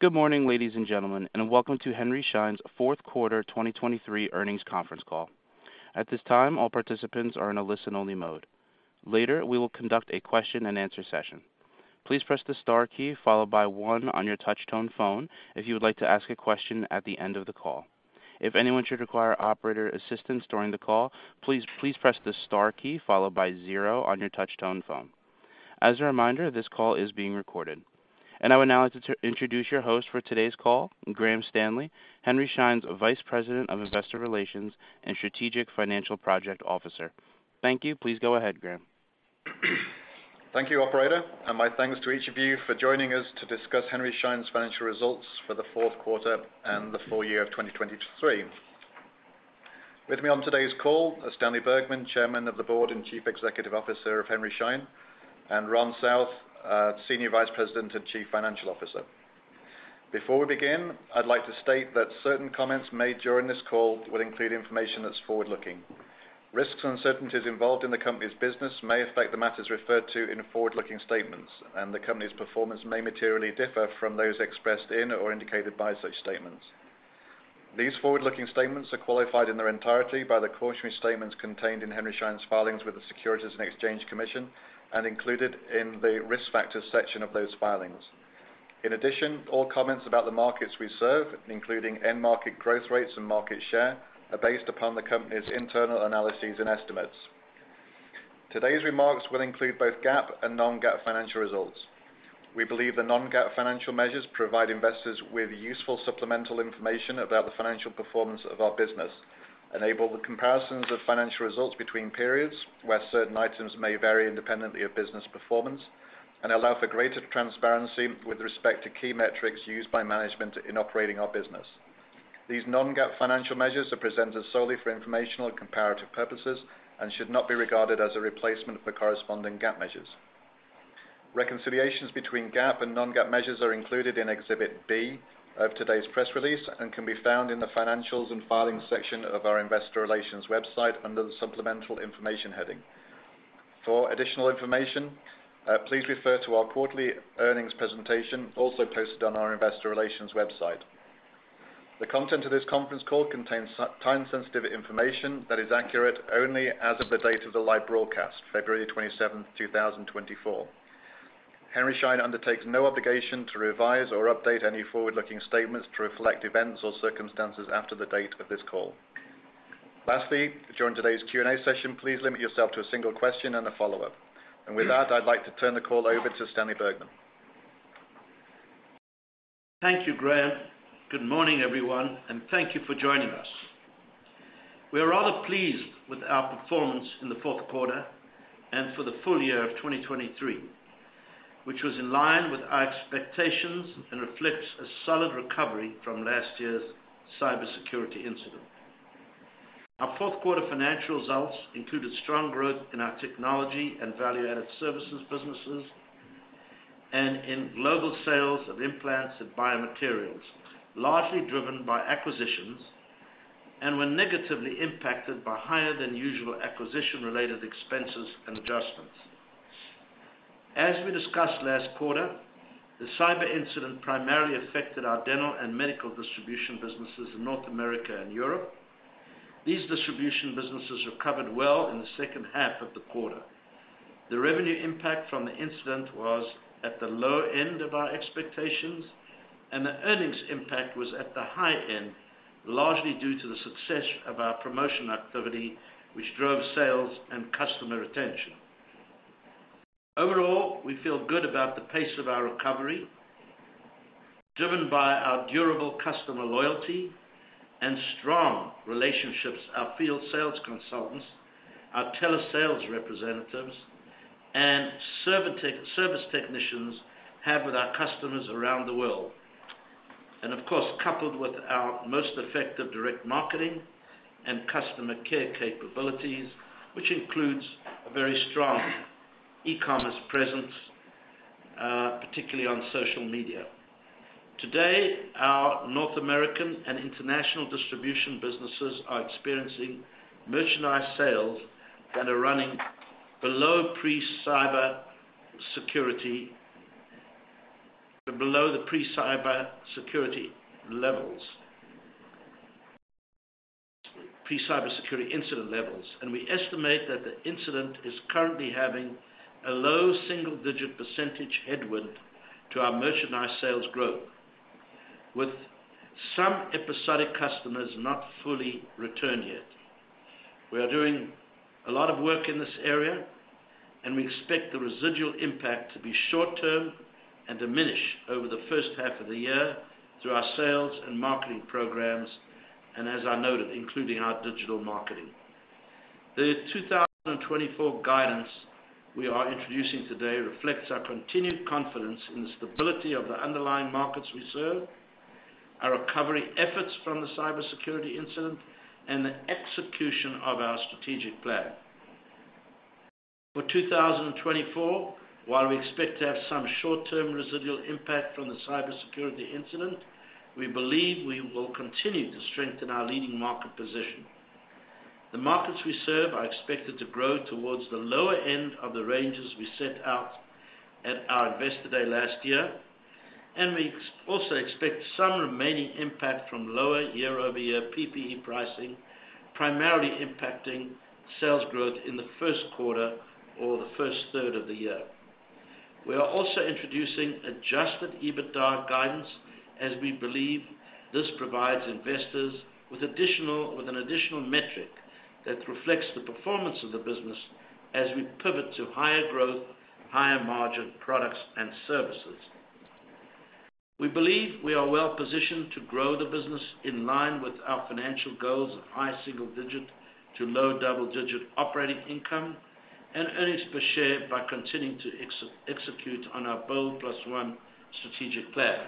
Good morning, ladies and gentlemen, and welcome to Henry Schein's Fourth Quarter 2023 Earnings Conference Call. At this time, all participants are in a listen-only mode. Later, we will conduct a question-and-answer session. Please press the star key followed by one on your touch-tone phone if you would like to ask a question at the end of the call. If anyone should require operator assistance during the call, please, please press the star key followed by zero on your touch-tone phone. As a reminder, this call is being recorded. I would now like to introduce your host for today's call, Graham Stanley, Henry Schein's Vice President of Investor Relations and Strategic Financial Project Officer. Thank you. Please go ahead, Graham. Thank you, operator, and my thanks to each of you for joining us to discuss Henry Schein's financial results for the fourth quarter and the full year of 2023. With me on today's call are Stanley Bergman, Chairman of the Board and Chief Executive Officer of Henry Schein, and Ron South, Senior Vice President and Chief Financial Officer. Before we begin, I'd like to state that certain comments made during this call will include information that's forward-looking. Risks and uncertainties involved in the company's business may affect the matters referred to in forward-looking statements, and the company's performance may materially differ from those expressed in or indicated by such statements. These forward-looking statements are qualified in their entirety by the cautionary statements contained in Henry Schein's filings with the Securities and Exchange Commission, and included in the Risk Factors section of those filings. In addition, all comments about the markets we serve, including end market growth rates and market share, are based upon the company's internal analyses and estimates. Today's remarks will include both GAAP and non-GAAP financial results. We believe the non-GAAP financial measures provide investors with useful supplemental information about the financial performance of our business, enable the comparisons of financial results between periods where certain items may vary independently of business performance, and allow for greater transparency with respect to key metrics used by management in operating our business. These non-GAAP financial measures are presented solely for informational and comparative purposes and should not be regarded as a replacement for corresponding GAAP measures. Reconciliations between GAAP and non-GAAP measures are included in Exhibit B of today's press release and can be found in the Financials and Filings section of our Investor Relations website under the Supplemental Information heading. For additional information, please refer to our quarterly earnings presentation, also posted on our Investor Relations website. The content of this conference call contains time-sensitive information that is accurate only as of the date of the live broadcast, February twenty-seventh, two thousand and twenty-four. Henry Schein undertakes no obligation to revise or update any forward-looking statements to reflect events or circumstances after the date of this call. Lastly, during today's Q&A session, please limit yourself to a single question and a follow-up. With that, I'd like to turn the call over to Stanley Bergman. Thank you, Graham. Good morning, everyone, and thank you for joining us. We are rather pleased with our performance in the fourth quarter and for the full year of 2023, which was in line with our expectations and reflects a solid recovery from last year's cybersecurity incident. Our fourth quarter financial results included strong growth in our technology and value-added services businesses, and in global sales of implants and biomaterials, largely driven by acquisitions, and were negatively impacted by higher than usual acquisition-related expenses and adjustments. As we discussed last quarter, the cyber incident primarily affected our dental and medical distribution businesses in North America and Europe. These distribution businesses recovered well in the second half of the quarter. The revenue impact from the incident was at the low end of our expectations, and the earnings impact was at the high end, largely due to the success of our promotion activity, which drove sales and customer retention. Overall, we feel good about the pace of our recovery, driven by our durable customer loyalty and strong relationships our field sales consultants, our telesales representatives, and service technicians have with our customers around the world. And of course, coupled with our most effective direct marketing and customer care capabilities, which includes a very strong e-commerce presence, particularly on social media. Today, our North American and international distribution businesses are experiencing merchandise sales that are running below pre-cybersecurity, below the pre-cybersecurity levels. Pre-cybersecurity incident levels. We estimate that the incident is currently having a low single-digit % headwind to our merchandise sales growth, with some episodic customers not fully returned yet. We are doing a lot of work in this area, and we expect the residual impact to be short term and diminish over the first half of the year through our sales and marketing programs, and as I noted, including our digital marketing. The 2024 guidance we are introducing today reflects our continued confidence in the stability of the underlying markets we serve, our recovery efforts from the cybersecurity incident, and the execution of our strategic plan. For 2024, while we expect to have some short-term residual impact from the cybersecurity incident, we believe we will continue to strengthen our leading market position.. The markets we serve are expected to grow towards the lower end of the ranges we set out at our Investor Day last year, and we also expect some remaining impact from lower year-over-year PPE pricing, primarily impacting sales growth in the first quarter or the first third of the year. We are also introducing Adjusted EBITDA guidance, as we believe this provides investors with an additional metric that reflects the performance of the business as we pivot to higher growth, higher margin products and services. We believe we are well positioned to grow the business in line with our financial goals of high single digit to low double-digit operating income and earnings per share, by continuing to execute on our BOLD+1 strategic plan.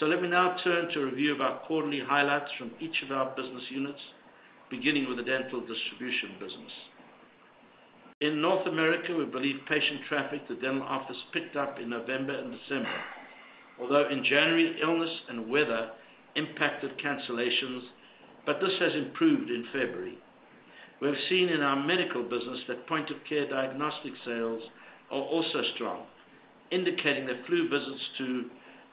So let me now turn to a review of our quarterly highlights from each of our business units, beginning with the dental distribution business. In North America, we believe patient traffic to dental office picked up in November and December, although in January, illness and weather impacted cancellations, but this has improved in February. We have seen in our medical business that point-of-care diagnostic sales are also strong, indicating that flu visits to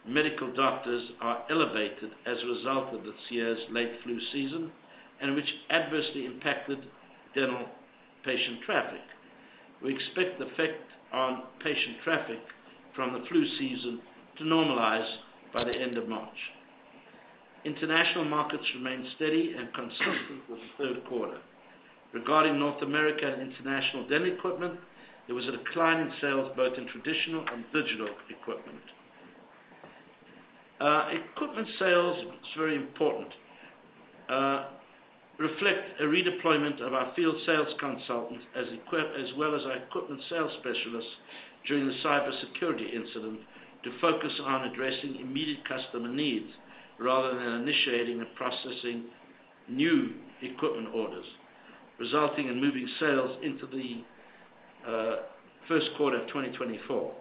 medical doctors are elevated as a result of this year's late flu season, and which adversely impacted dental patient traffic. We expect the effect on patient traffic from the flu season to normalize by the end of March. International markets remained steady and consistent with the third quarter. Regarding North America and international dental equipment, there was a decline in sales, both in traditional and digital equipment. Equipment sales, it's very important, reflect a redeployment of our field sales consultants as well as our equipment sales specialists during the cybersecurity incident, to focus on addressing immediate customer needs rather than initiating and processing new equipment orders, resulting in moving sales into the first quarter of 2024.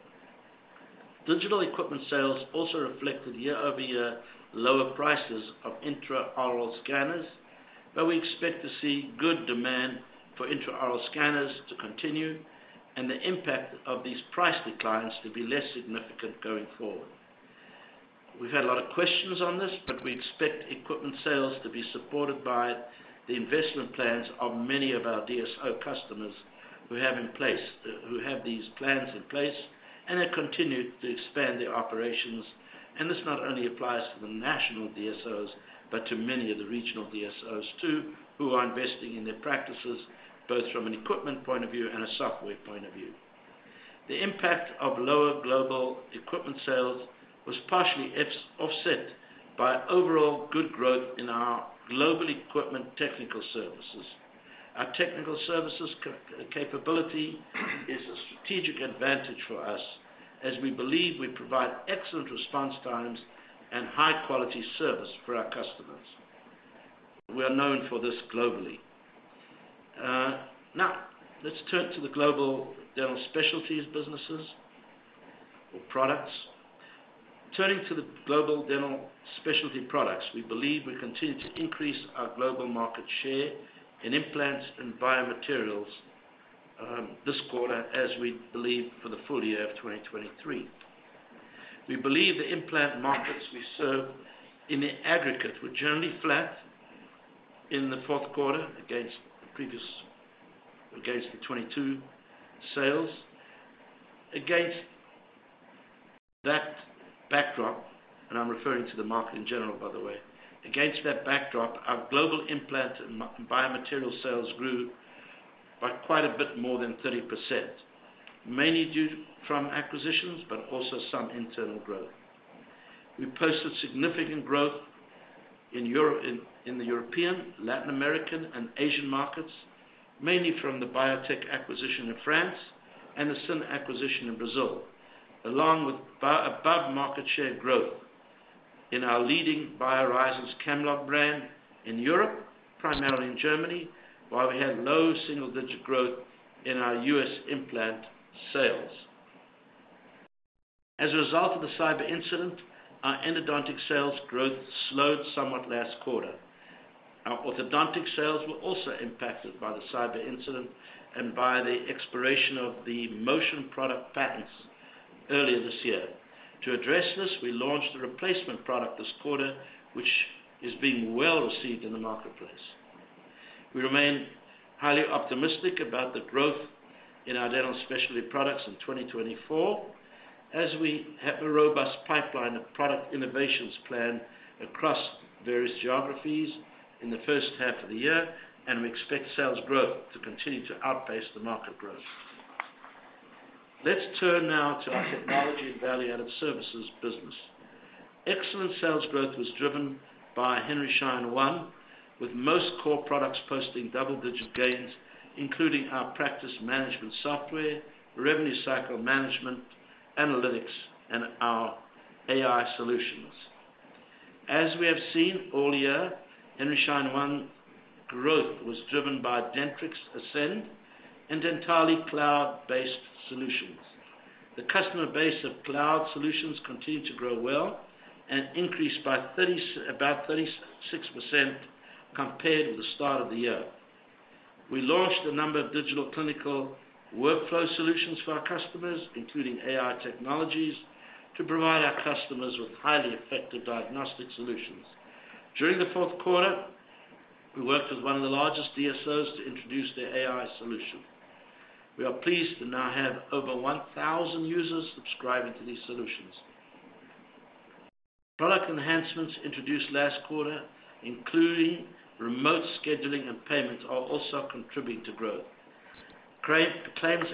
Digital equipment sales also reflected year-over-year lower prices of intraoral scanners, but we expect to see good demand for intraoral scanners to continue, and the impact of these price declines to be less significant going forward. We've had a lot of questions on this, but we expect equipment sales to be supported by the investment plans of many of our DSO customers, who have in place, who have these plans in place and have continued to expand their operations. This not only applies to the national DSOs, but to many of the regional DSOs, too, who are investing in their practices, both from an equipment point of view and a software point of view. The impact of lower global equipment sales was partially offset by overall good growth in our global equipment technical services. Our technical services capability is a strategic advantage for us, as we believe we provide excellent response times and high-quality service for our customers. We are known for this globally. Now, let's turn to the global dental specialties businesses or products. Turning to the global dental specialty products, we believe we continue to increase our global market share in implants and biomaterials, this quarter, as we believe for the full year of 2023. We believe the implant markets we serve in the aggregate were generally flat in the fourth quarter against the 2022 sales. Against that backdrop, and I'm referring to the market in general, by the way. Against that backdrop, our global implant and biomaterial sales grew by quite a bit more than 30%, mainly due to, from acquisitions, but also some internal growth. We posted significant growth in Europe, in the European, Latin American, and Asian markets, mainly from the Biotech acquisition in France and the S.I.N. acquisition in Brazil, along with above market share growth in our leading BioHorizons Camlog brand in Europe, primarily in Germany, while we had low single-digit growth in our US implant sales. As a result of the cyber incident, our endodontic sales growth slowed somewhat last quarter. Our orthodontic sales were also impacted by the cyber incident and by the expiration of the Motion product patents earlier this year. To address this, we launched a replacement product this quarter, which is being well-received in the marketplace. We remain highly optimistic about the growth in our dental specialty products in 2024, as we have a robust pipeline of product innovations planned across various geographies in the first half of the year, and we expect sales growth to continue to outpace the market growth. Let's turn now to our technology and value-added services business. Excellent sales growth was driven by Henry Schein One, with most core products posting double-digit gains, including our practice management software, revenue cycle management, analytics, and our AI solutions. As we have seen all year, Henry Schein One growth was driven by Dentrix Ascend and entirely cloud-based solutions.. The customer base of cloud solutions continued to grow well and increased by about 36% compared with the start of the year. We launched a number of digital clinical workflow solutions for our customers, including AI technologies, to provide our customers with highly effective diagnostic solutions. During the fourth quarter, we worked with one of the largest DSOs to introduce their AI solution. We are pleased to now have over 1,000 users subscribing to these solutions. Product enhancements introduced last quarter, including remote scheduling and payments, are also contributing to growth. Claims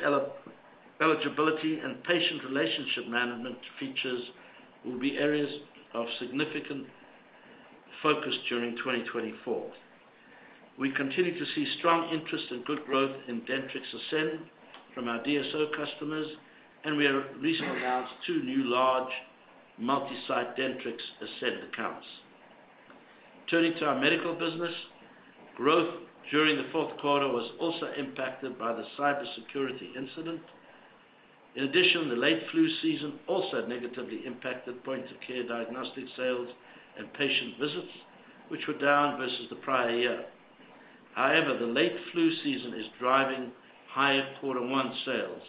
eligibility and patient relationship management features will be areas of significant focus during 2024. We continue to see strong interest and good growth in Dentrix Ascend from our DSO customers, and we have recently announced two new large multi-site Dentrix Ascend accounts. Turning to our medical business, growth during the fourth quarter was also impacted by the cybersecurity incident. In addition, the late flu season also negatively impacted point-of-care diagnostic sales and patient visits, which were down versus the prior year. However, the late flu season is driving higher quarter one sales.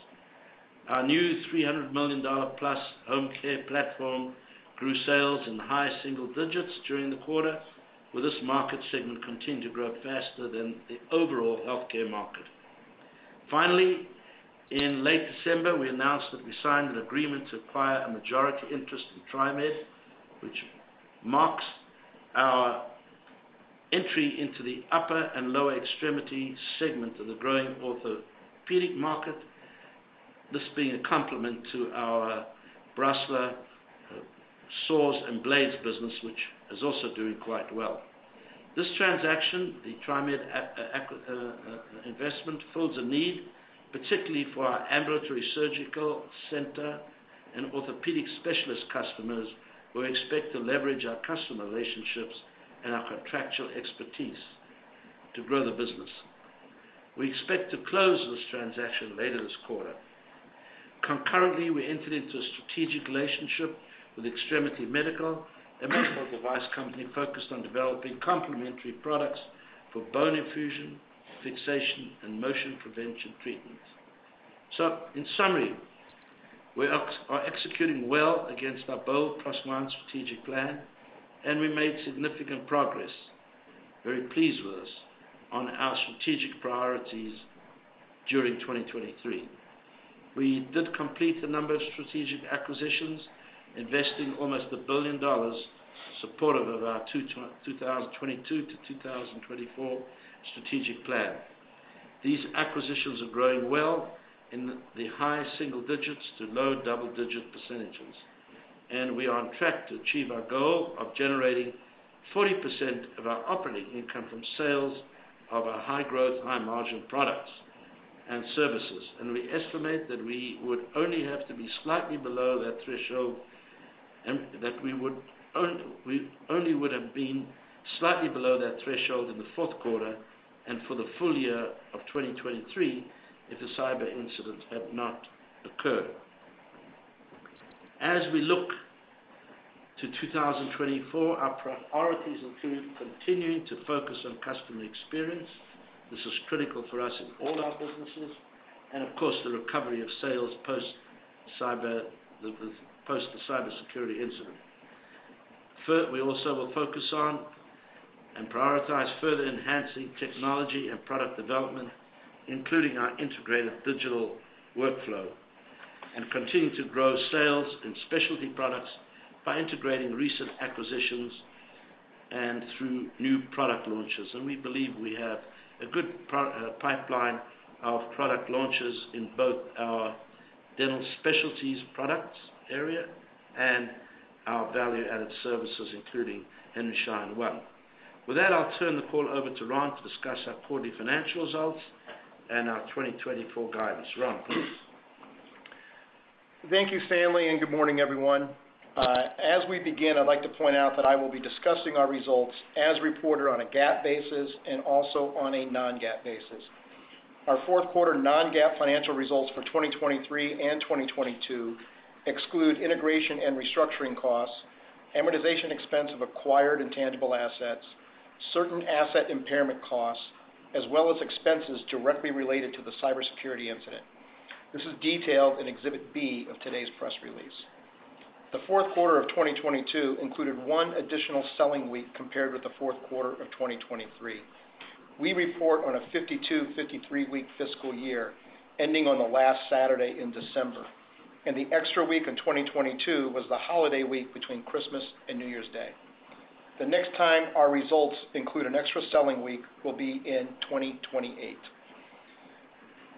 Our new $300 million+ home care platform grew sales in high single digits during the quarter, with this market segment continuing to grow faster than the overall healthcare market. Finally, in late December, we announced that we signed an agreement to acquire a majority interest in TriMed, which marks our entry into the upper and lower extremity segment of the growing orthopedic market, this being a complement to our Brasseler saws and blades business, which is also doing quite well. This transaction, the TriMed investment, fills a need, particularly for our ambulatory surgical center and orthopedic specialist customers, who expect to leverage our customer relationships and our contractual expertise to grow the business. We expect to close this transaction later this quarter. Concurrently, we entered into a strategic relationship with Extremity Medical, a medical device company focused on developing complementary products for bone infusion, fixation, and motion prevention treatments. So in summary, we are executing well against our BOLD+1 strategic plan, and we made significant progress, very pleased with us, on our strategic priorities during 2023. We did complete a number of strategic acquisitions, investing almost $1 billion supportive of our 2022 to 2024 strategic plan. These acquisitions are growing well in the high single digits to low double-digit percentages, and we are on track to achieve our goal of generating 40% of our operating income from sales of our high-growth, high-margin products and services. We estimate that we would only have to be slightly below that threshold, and that we would only have been slightly below that threshold in the fourth quarter and for the full year of 2023, if the cyber incident had not occurred. As we look to 2024, our priorities include continuing to focus on customer experience. This is critical for us in all our businesses, and of course, the recovery of sales post cyber, post the cybersecurity incident. We also will focus on and prioritize further enhancing technology and product development, including our integrated digital workflow, and continue to grow sales in specialty products by integrating recent acquisitions and through new product launches. And we believe we have a good pipeline of product launches in both our dental specialties products area and our value-added services, including Henry Schein One. With that, I'll turn the call over to Ron to discuss our quarterly financial results and our 2024 guidance. Ron? Thank you, Stanley, and good morning, everyone. As we begin, I'd like to point out that I will be discussing our results as reported on a GAAP basis and also on a non-GAAP basis. Our fourth quarter non-GAAP financial results for 2023 and 2022 exclude integration and restructuring costs, amortization expense of acquired intangible assets, certain asset impairment costs, as well as expenses directly related to the cybersecurity incident. This is detailed in Exhibit B of today's press release. The fourth quarter of 2022 included one additional selling week compared with the fourth quarter of 2023. We report on a 52-, 53-week fiscal year, ending on the last Saturday in December, and the extra week in 2022 was the holiday week between Christmas and New Year's Day. The next time our results include an extra selling week will be in 2028.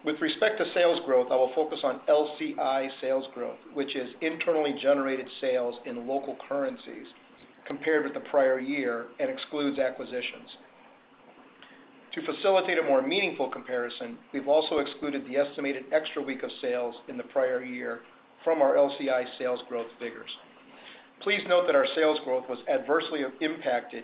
With respect to sales growth, I will focus on LCI sales growth, which is internally generated sales in local currencies compared with the prior year and excludes acquisitions. To facilitate a more meaningful comparison, we've also excluded the estimated extra week of sales in the prior year from our LCI sales growth figures. Please note that our sales growth was adversely impacted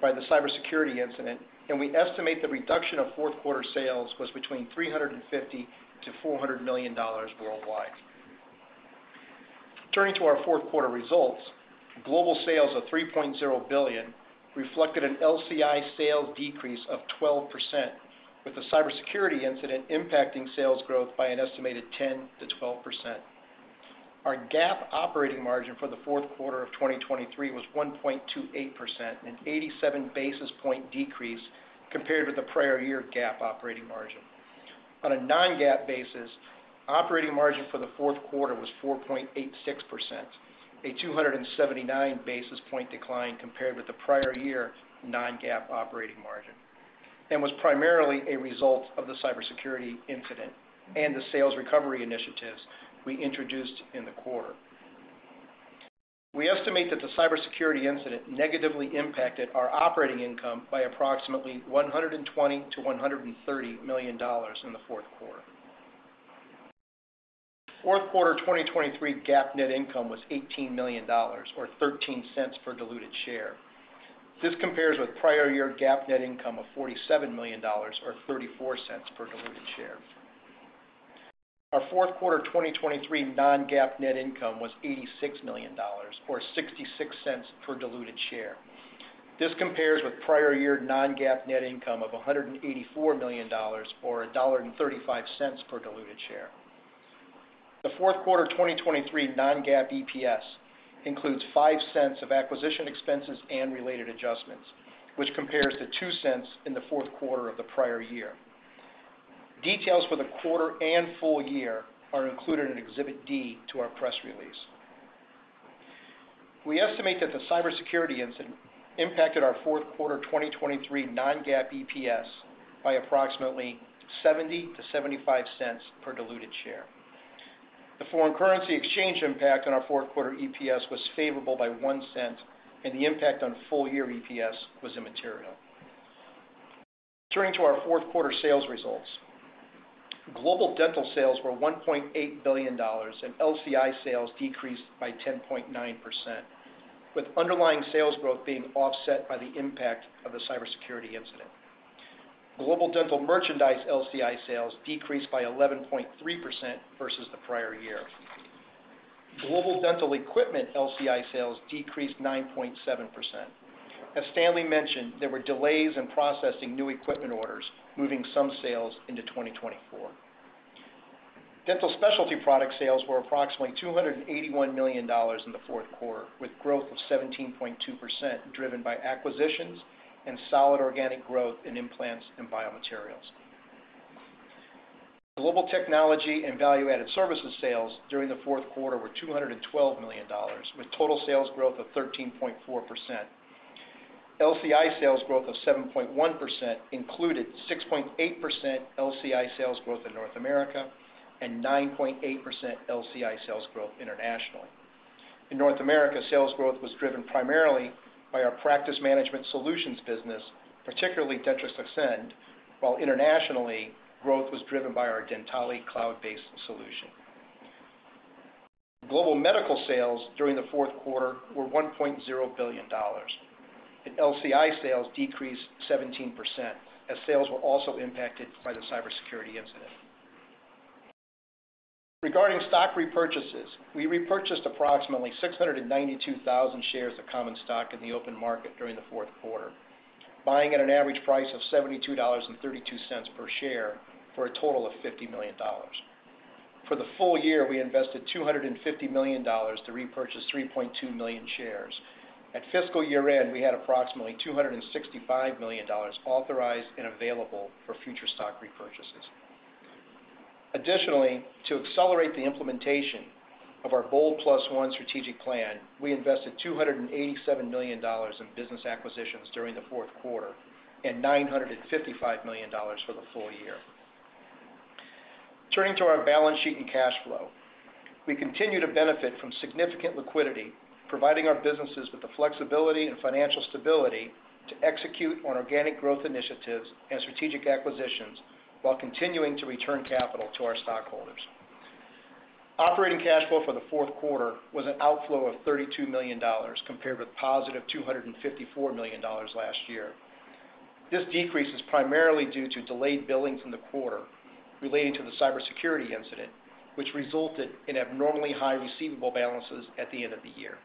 by the cybersecurity incident, and we estimate the reduction of fourth quarter sales was between $350 million-$400 million worldwide. Turning to our fourth quarter results, global sales of $3.0 billion reflected an LCI sales decrease of 12%, with the cybersecurity incident impacting sales growth by an estimated 10%-12%. Our GAAP operating margin for the fourth quarter of 2023 was 1.28%, an 87 basis point decrease compared with the prior year GAAP operating margin. On a non-GAAP basis, operating margin for the fourth quarter was 4.86%, a 279 basis point decline compared with the prior year non-GAAP operating margin, and was primarily a result of the cybersecurity incident and the sales recovery initiatives we introduced in the quarter. We estimate that the cybersecurity incident negatively impacted our operating income by approximately $120 million-$130 million in the fourth quarter. Fourth quarter 2023 GAAP net income was $18 million, or $0.13 per diluted share. This compares with prior year GAAP net income of $47 million, or $0.34 per diluted share. Our fourth quarter 2023 non-GAAP net income was $86 million, or $0.66 per diluted share. This compares with prior year non-GAAP net income of $184 million, or $1.35 per diluted share. The fourth quarter 2023 non-GAAP EPS includes $0.05 of acquisition expenses and related adjustments, which compares to $0.02 in the fourth quarter of the prior year. Details for the quarter and full year are included in Exhibit D to our press release. We estimate that the cybersecurity incident impacted our fourth quarter 2023 non-GAAP EPS by approximately $0.70-$0.75 per diluted share. The foreign currency exchange impact on our fourth quarter EPS was favorable by $0.01, and the impact on full year EPS was immaterial. Turning to our fourth quarter sales results. Global dental sales were $1.8 billion, and LCI sales decreased by 10.9%, with underlying sales growth being offset by the impact of the cybersecurity incident. Global dental merchandise LCI sales decreased by 11.3% versus the prior year. Global dental equipment LCI sales decreased 9.7%. As Stanley mentioned, there were delays in processing new equipment orders, moving some sales into 2024. Dental specialty product sales were approximately $281 million in the fourth quarter, with growth of 17.2%, driven by acquisitions and solid organic growth in implants and biomaterials. Global technology and value-added services sales during the fourth quarter were $212 million, with total sales growth of 13.4%. LCI sales growth of 7.1% included 6.8% LCI sales growth in North America and 9.8% LCI sales growth internationally. In North America, sales growth was driven primarily by our practice management solutions business, particularly Dentrix Ascend, while internationally, growth was driven by our Dentally cloud-based solution. Global medical sales during the fourth quarter were $1.0 billion, and LCI sales decreased 17%, as sales were also impacted by the cybersecurity incident. Regarding stock repurchases, we repurchased approximately 692,000 shares of common stock in the open market during the fourth quarter, buying at an average price of $72.32 per share for a total of $50 million. For the full year, we invested $250 million to repurchase 3.2 million shares. At fiscal year-end, we had approximately $265 million authorized and available for future stock repurchases. Additionally, to accelerate the implementation of our BOLD+1 strategic plan, we invested $287 million in business acquisitions during the fourth quarter and $955 million for the full year. Turning to our balance sheet and cash flow. We continue to benefit from significant liquidity, providing our businesses with the flexibility and financial stability to execute on organic growth initiatives and strategic acquisitions while continuing to return capital to our stockholders. Operating cash flow for the fourth quarter was an outflow of $32 million, compared with positive $254 million last year. This decrease is primarily due to delayed billings in the quarter relating to the cybersecurity incident, which resulted in abnormally high receivable balances at the end of the year.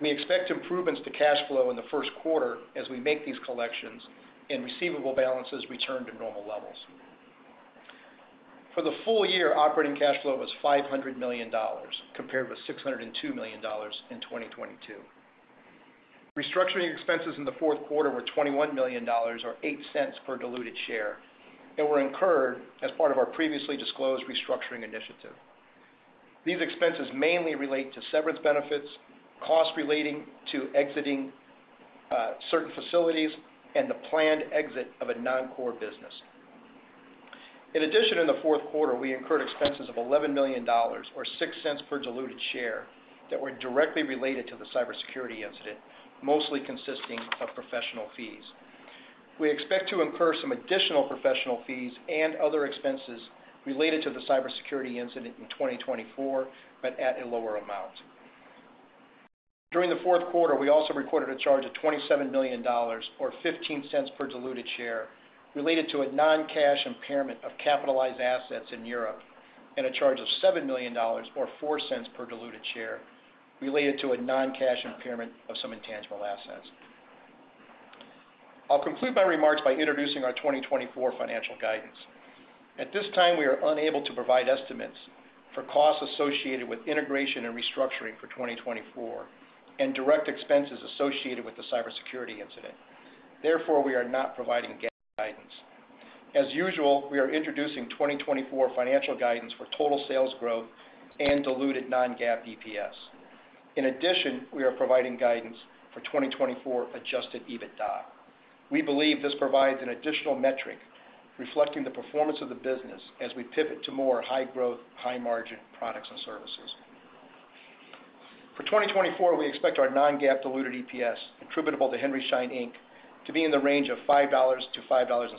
We expect improvements to cash flow in the first quarter as we make these collections and receivable balances return to normal levels. For the full year, operating cash flow was $500 million, compared with $602 million in 2022. Restructuring expenses in the fourth quarter were $21 million, or $0.08 per diluted share, and were incurred as part of our previously disclosed restructuring initiative. These expenses mainly relate to severance benefits, costs relating to exiting certain facilities, and the planned exit of a non-core business. In addition, in the fourth quarter, we incurred expenses of $11 million, or $0.06 per diluted share, that were directly related to the cybersecurity incident, mostly consisting of professional fees. We expect to incur some additional professional fees and other expenses related to the cybersecurity incident in 2024, but at a lower amount. During the fourth quarter, we also recorded a charge of $27 million, or $0.15 per diluted share, related to a non-cash impairment of capitalized assets in Europe, and a charge of $7 million, or $0.04 per diluted share, related to a non-cash impairment of some intangible assets. I'll complete my remarks by introducing our 2024 financial guidance. At this time, we are unable to provide estimates for costs associated with integration and restructuring for 2024 and direct expenses associated with the cybersecurity incident. Therefore, we are not providing GAAP guidance. As usual, we are introducing 2024 financial guidance for total sales growth and diluted non-GAAP EPS. In addition, we are providing guidance for 2024 adjusted EBITDA. We believe this provides an additional metric reflecting the performance of the business as we pivot to more high growth, high margin products and services. For 2024, we expect our non-GAAP diluted EPS attributable to Henry Schein Inc. to be in the range of $5-$5.16,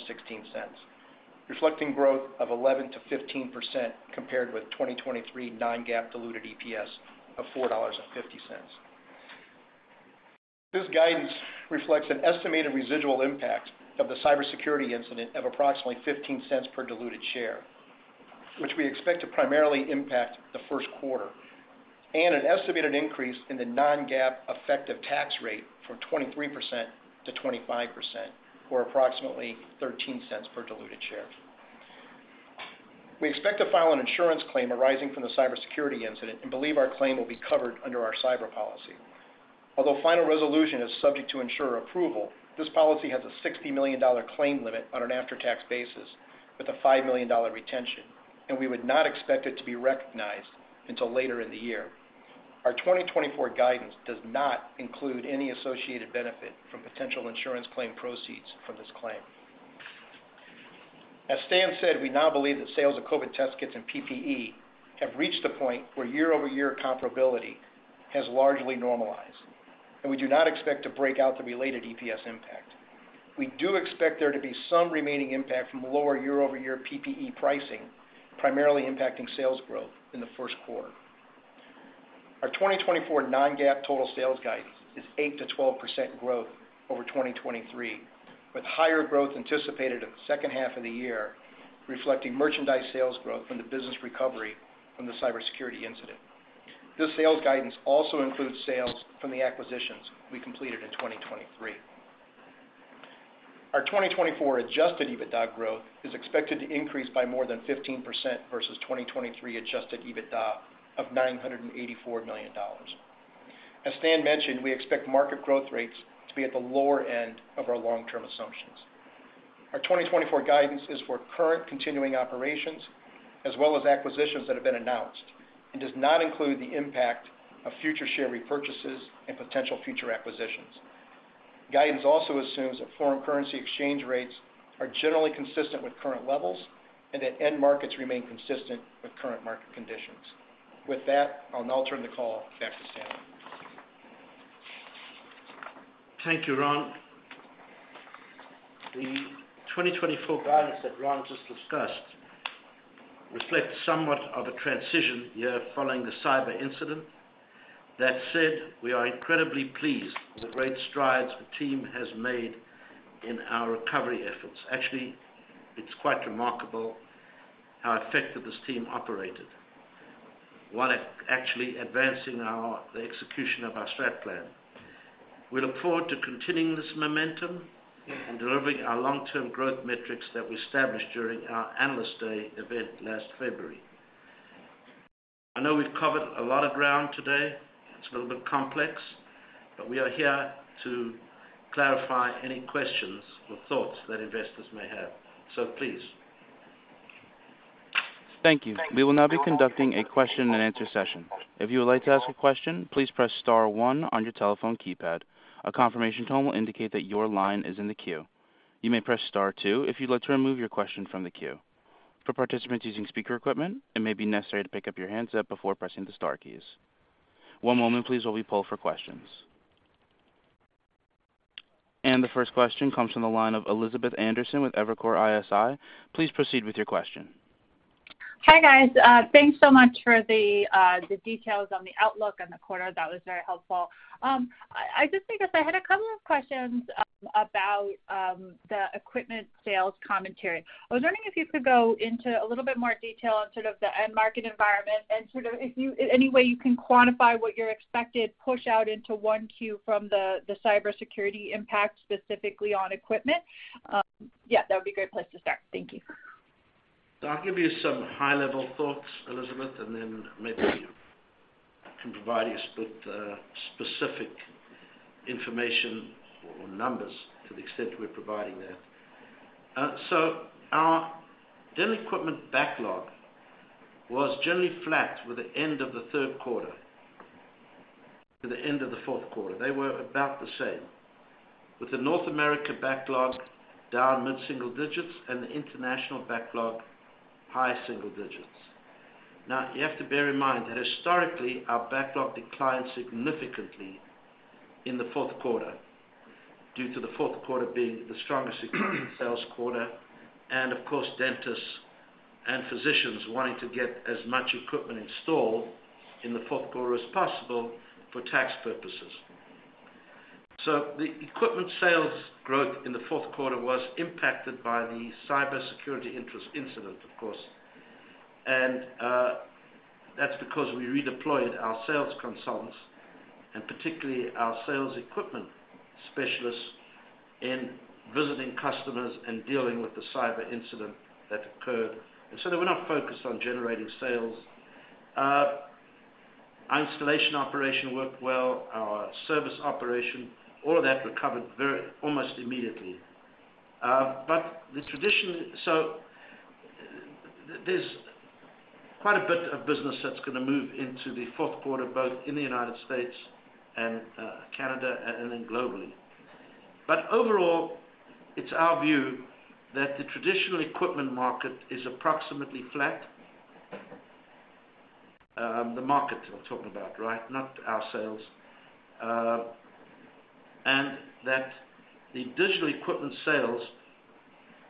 reflecting growth of 11%-15% compared with 2023 non-GAAP diluted EPS of $4.50. This guidance reflects an estimated residual impact of the cybersecurity incident of approximately $0.15 per diluted share, which we expect to primarily impact the first quarter, and an estimated increase in the non-GAAP effective tax rate from 23%-25%, or approximately $0.13 per diluted share. We expect to file an insurance claim arising from the cybersecurity incident and believe our claim will be covered under our cyber policy. Although final resolution is subject to insurer approval, this policy has a $60 million claim limit on an after-tax basis with a $5 million retention, and we would not expect it to be recognized until later in the year. Our 2024 guidance does not include any associated benefit from potential insurance claim proceeds from this claim. As Stan said, we now believe that sales of COVID test kits and PPE have reached a point where year-over-year comparability has largely normalized, and we do not expect to break out the related EPS impact. We do expect there to be some remaining impact from lower year-over-year PPE pricing, primarily impacting sales growth in the first quarter. Our 2024 non-GAAP total sales guidance is 8%-12% growth over 2023, with higher growth anticipated in the second half of the year, reflecting merchandise sales growth and the business recovery from the cybersecurity incident. This sales guidance also includes sales from the acquisitions we completed in 2023. Our 2024 adjusted EBITDA growth is expected to increase by more than 15% versus 2023 adjusted EBITDA of $984 million. As Stan mentioned, we expect market growth rates to be at the lower end of our long-term assumptions. Our 2024 guidance is for current continuing operations, as well as acquisitions that have been announced, and does not include the impact of future share repurchases and potential future acquisitions. Guidance also assumes that foreign currency exchange rates are generally consistent with current levels and that end markets remain consistent with current market conditions. With that, I'll now turn the call back to Stan. Thank you, Ron. The 2024 guidance that Ron just discussed reflects somewhat of a transition year following the cyber incident. That said, we are incredibly pleased with the great strides the team has made in our recovery efforts. Actually, it's quite remarkable how effective this team operated while actually advancing our, the execution of our strategic plan. We look forward to continuing this momentum and delivering our long-term growth metrics that we established during our Analyst Day event last February. I know we've covered a lot of ground today. It's a little bit complex, but we are here to clarify any questions or thoughts that investors may have. So please. Thank you. We will now be conducting a question and answer session. If you would like to ask a question, please press star one on your telephone keypad. A confirmation tone will indicate that your line is in the queue. You may press star two if you'd like to remove your question from the queue. For participants using speaker equipment, it may be necessary to pick up your handset before pressing the star keys. One moment, please, while we pull for questions. The first question comes from the line of Elizabeth Anderson with Evercore ISI. Please proceed with your question. Hi, guys. Thanks so much for the details on the outlook and the quarter. That was very helpful. I just think I had a couple of questions about the equipment sales commentary. I was wondering if you could go into a little bit more detail on sort of the end market environment and sort of if you in any way you can quantify what your expected push out into 1Q from the cybersecurity impact, specifically on equipment. Yeah, that would be a great place to start. Thank you. I'll give you some high-level thoughts, Elizabeth, and then maybe I can provide you with specific information or numbers to the extent we're providing that. So our dental equipment backlog was generally flat with the end of the third quarter to the end of the fourth quarter. They were about the same, with the North America backlog down mid-single digits and the international backlog high single digits.. Now, you have to bear in mind that historically, our backlog declined significantly in the fourth quarter, due to the fourth quarter being the strongest sales quarter, and of course, dentists and physicians wanting to get as much equipment installed in the fourth quarter as possible for tax purposes. So the equipment sales growth in the fourth quarter was impacted by the cybersecurity interest incident, of course. That's because we redeployed our sales consultants, and particularly our sales equipment specialists, in visiting customers and dealing with the cyber incident that occurred. And so they were not focused on generating sales. Our installation operation worked well, our service operation; all of that recovered almost immediately. But the traditional, so there's quite a bit of business that's gonna move into the fourth quarter, both in the United States and Canada, and then globally. But overall, it's our view that the traditional equipment market is approximately flat. The market I'm talking about, right? Not our sales. And that the digital equipment sales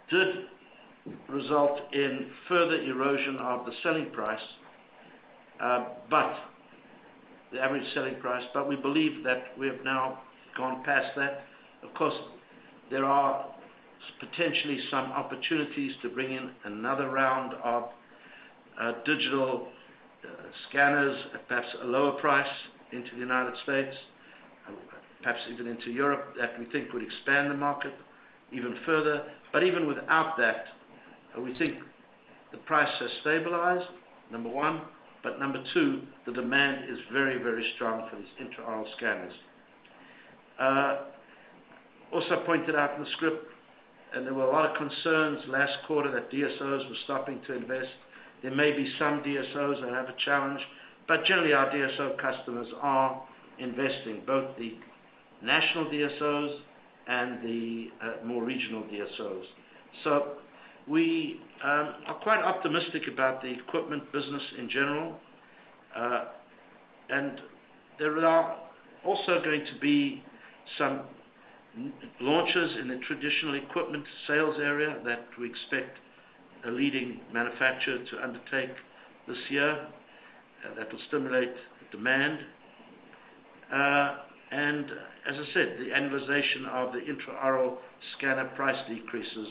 did result in further erosion of the selling price, but the average selling price, but we believe that we have now gone past that. Of course, there are potentially some opportunities to bring in another round of digital scanners, at perhaps a lower price into the United States, and perhaps even into Europe, that we think would expand the market even further. But even without that, we think the price has stabilized, number one, but number two, the demand is very, very strong for these intraoral scanners. Also pointed out in the script, and there were a lot of concerns last quarter that DSOs were stopping to invest. There may be some DSOs that have a challenge, but generally, our DSO customers are investing, both the national DSOs and the more regional DSOs. So we are quite optimistic about the equipment business in general. And there are also going to be some launches in the traditional equipment sales area that we expect a leading manufacturer to undertake this year, that will stimulate demand. And as I said, the annualization of the intraoral scanner price decreases.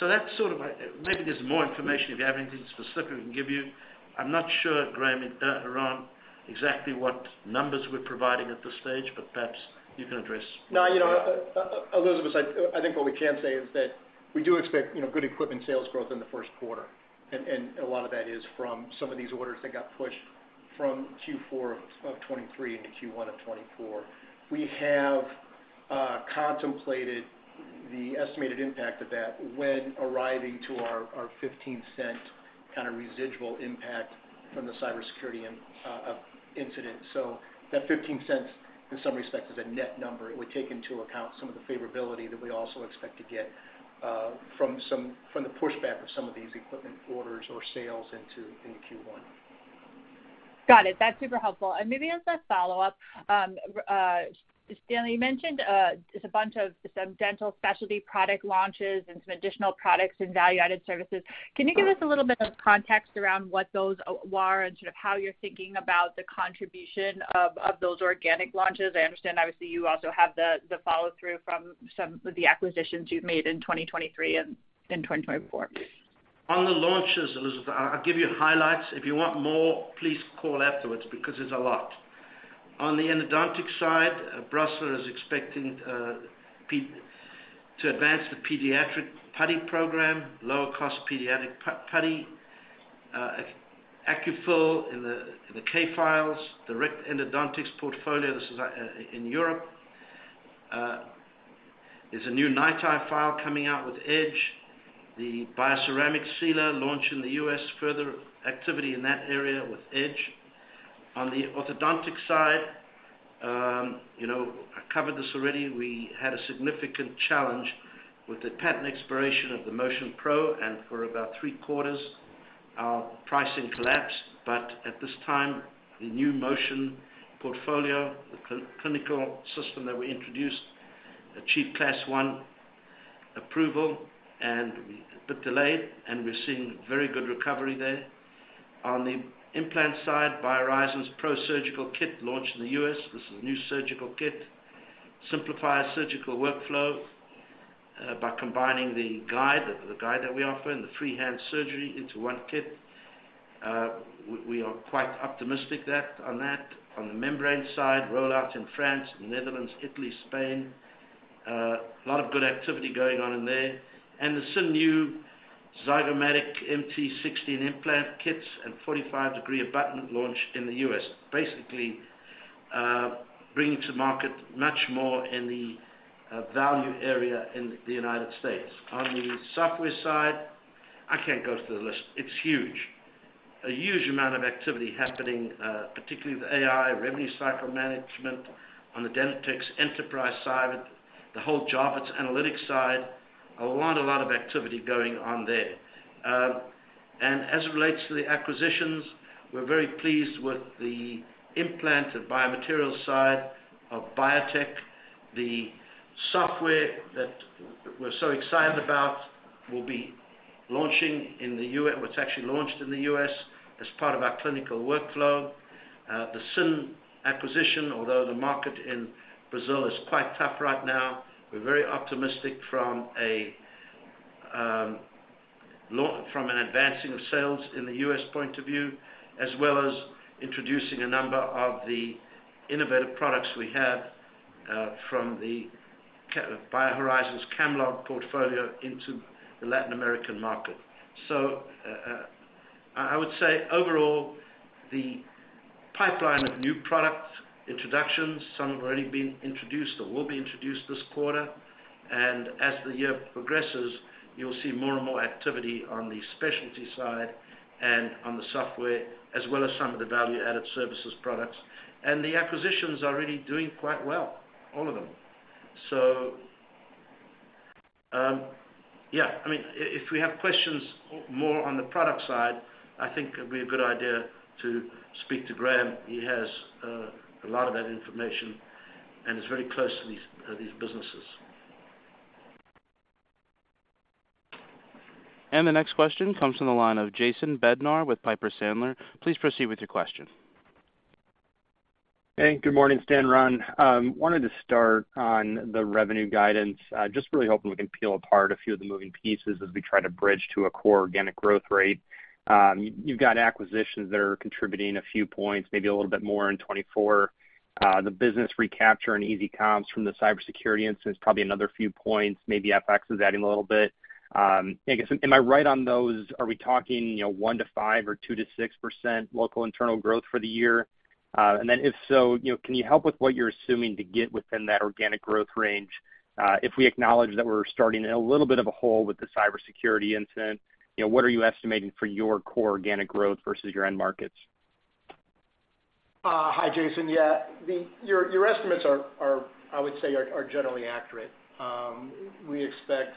So that's sort of, maybe there's more information, if you have anything specific we can give you. I'm not sure, Graham, around exactly what numbers we're providing at this stage, but perhaps you can address. No, you know, Elizabeth, I think what we can say is that we do expect, you know, good equipment sales growth in the first quarter, and a lot of that is from some of these orders that got pushed from Q4 of 2023 into Q1 of 2024. We have contemplated the estimated impact of that when arriving to our $0.15 kind of residual impact from the cybersecurity incident. So that $0.15, in some respects, is a net number. It would take into account some of the favorability that we also expect to get from the pushback of some of these equipment orders or sales into Q1. Got it. That's super helpful. And maybe as a follow-up, Stanley, you mentioned, there's a bunch of some dental specialty product launches and some additional products and value-added services. Can you give us a little bit of context around what those were, and sort of how you're thinking about the contribution of, of those organic launches? I understand, obviously, you also have the, the follow-through from some of the acquisitions you've made in 2023 and in 2024. On the launches, Elizabeth, I'll give you highlights. If you want more, please call afterwards, because it's a lot. On the endodontic side, Brasseler is expecting to advance the pediatric putty program, lower-cost pediatric putty, AccuFill and K-files, the Brasseler Endodontics portfolio, this is in Europe. There's a new NiTi file coming out with Edge, the bioceramic sealer launch in the U.S., further activity in that area with Edge. On the orthodontic side, you know, I covered this already. We had a significant challenge with the patent expiration of the Motion Pro, and for about three quarters, our pricing collapsed. But at this time, the new Motion portfolio, clinical system that we introduced, achieved Class one approval, and a bit delayed, and we're seeing very good recovery there. On the implant side, BioHorizons Pro Surgical Kit launched in the U.S. This is a new surgical kit, simplifies surgical workflow by combining the guide, the guide that we offer, and the freehand surgery into one kit. We are quite optimistic that on that. On the membrane side, rollouts in France, Netherlands, Italy, Spain, a lot of good activity going on in there. And the Simnew Zygomatic MT60 implant kits and 45-degree abutment launch in the U.S., basically bringing to market much more in the value area in the United States. On the software side, I can't go through the list. It's huge, a huge amount of activity happening, particularly with AI, revenue cycle management, on the Dentrix Enterprise side, the whole Jarvis Analytics side, a lot of activity going on there. And as it relates to the acquisitions, we're very pleased with the implant and biomaterial side of Biotech. The software that we're so excited about will be launching in the—well, it's actually launched in the US as part of our clinical workflow. The S.I.N. acquisition, although the market in Brazil is quite tough right now, we're very optimistic from a—from an advancing of sales in the US point of view, as well as introducing a number of the innovative products we have from the BioHorizons Camlog portfolio into the Latin American market. So, I would say overall, the pipeline of new product introductions, some have already been introduced or will be introduced this quarter. As the year progresses, you'll see more and more activity on the specialty side and on the software, as well as some of the value-added services products. The acquisitions are really doing quite well, all of them. So, yeah, I mean, if we have questions more on the product side, I think it'd be a good idea to speak to Graham. He has a lot of that information and is very close to these businesses. The next question comes from the line of Jason Bednar with Piper Sandler. Please proceed with your question. Hey, good morning, Stan, Ron. Wanted to start on the revenue guidance. Just really hoping we can peel apart a few of the moving pieces as we try to bridge to a core organic growth rate. You've got acquisitions that are contributing a few points, maybe a little bit more in 2024. The business recapture and easy comps from the cybersecurity instance, probably another few points, maybe FX is adding a little bit. I guess, am I right on those? Are we talking, you know, 1%-5% or 2%-6% local internal growth for the year? And then if so, you know, can you help with what you're assuming to get within that organic growth range? If we acknowledge that we're starting in a little bit of a hole with the cybersecurity incident, you know, what are you estimating for your core organic growth versus your end markets? Hi, Jason. Yeah, your estimates are, I would say, generally accurate. We expect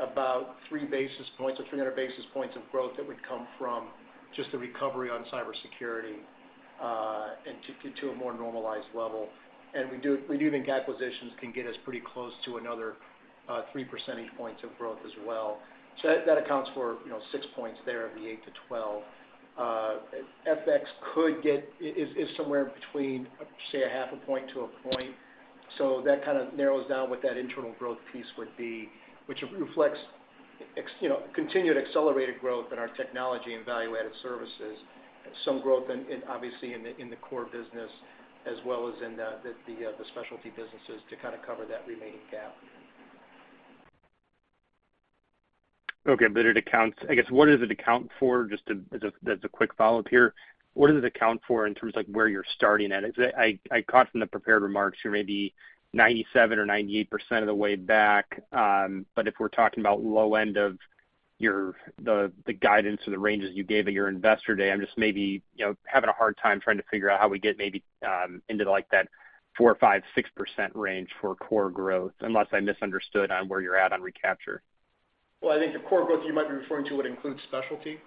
about 3 basis points or 300 basis points of growth that would come from just the recovery on cybersecurity and to a more normalized level. And we think acquisitions can get us pretty close to another 3 percentage points of growth as well. So that accounts for, you know, 6 points there of the 8-12. FX is somewhere between, say, 0.5-1 point. So that kind of narrows down what that internal growth piece would be, which reflects, you know, continued accelerated growth in our technology and value-added services, some growth in, obviously, in the specialty businesses to kind of cover that remaining gap. Okay. But it accounts. I guess, what does it account for? Just to, as a quick follow-up here, what does it account for in terms of, like, where you're starting at? I caught from the prepared remarks, you're maybe 97% or 98% of the way back. But if we're talking about low end of your guidance or the ranges you gave at your Investor Day, I'm just maybe, you know, having a hard time trying to figure out how we get maybe into, like, that 4% or 5%-6% range for core growth, unless I misunderstood on where you're at on recapture. Well, I think the core growth you might be referring to would include specialty,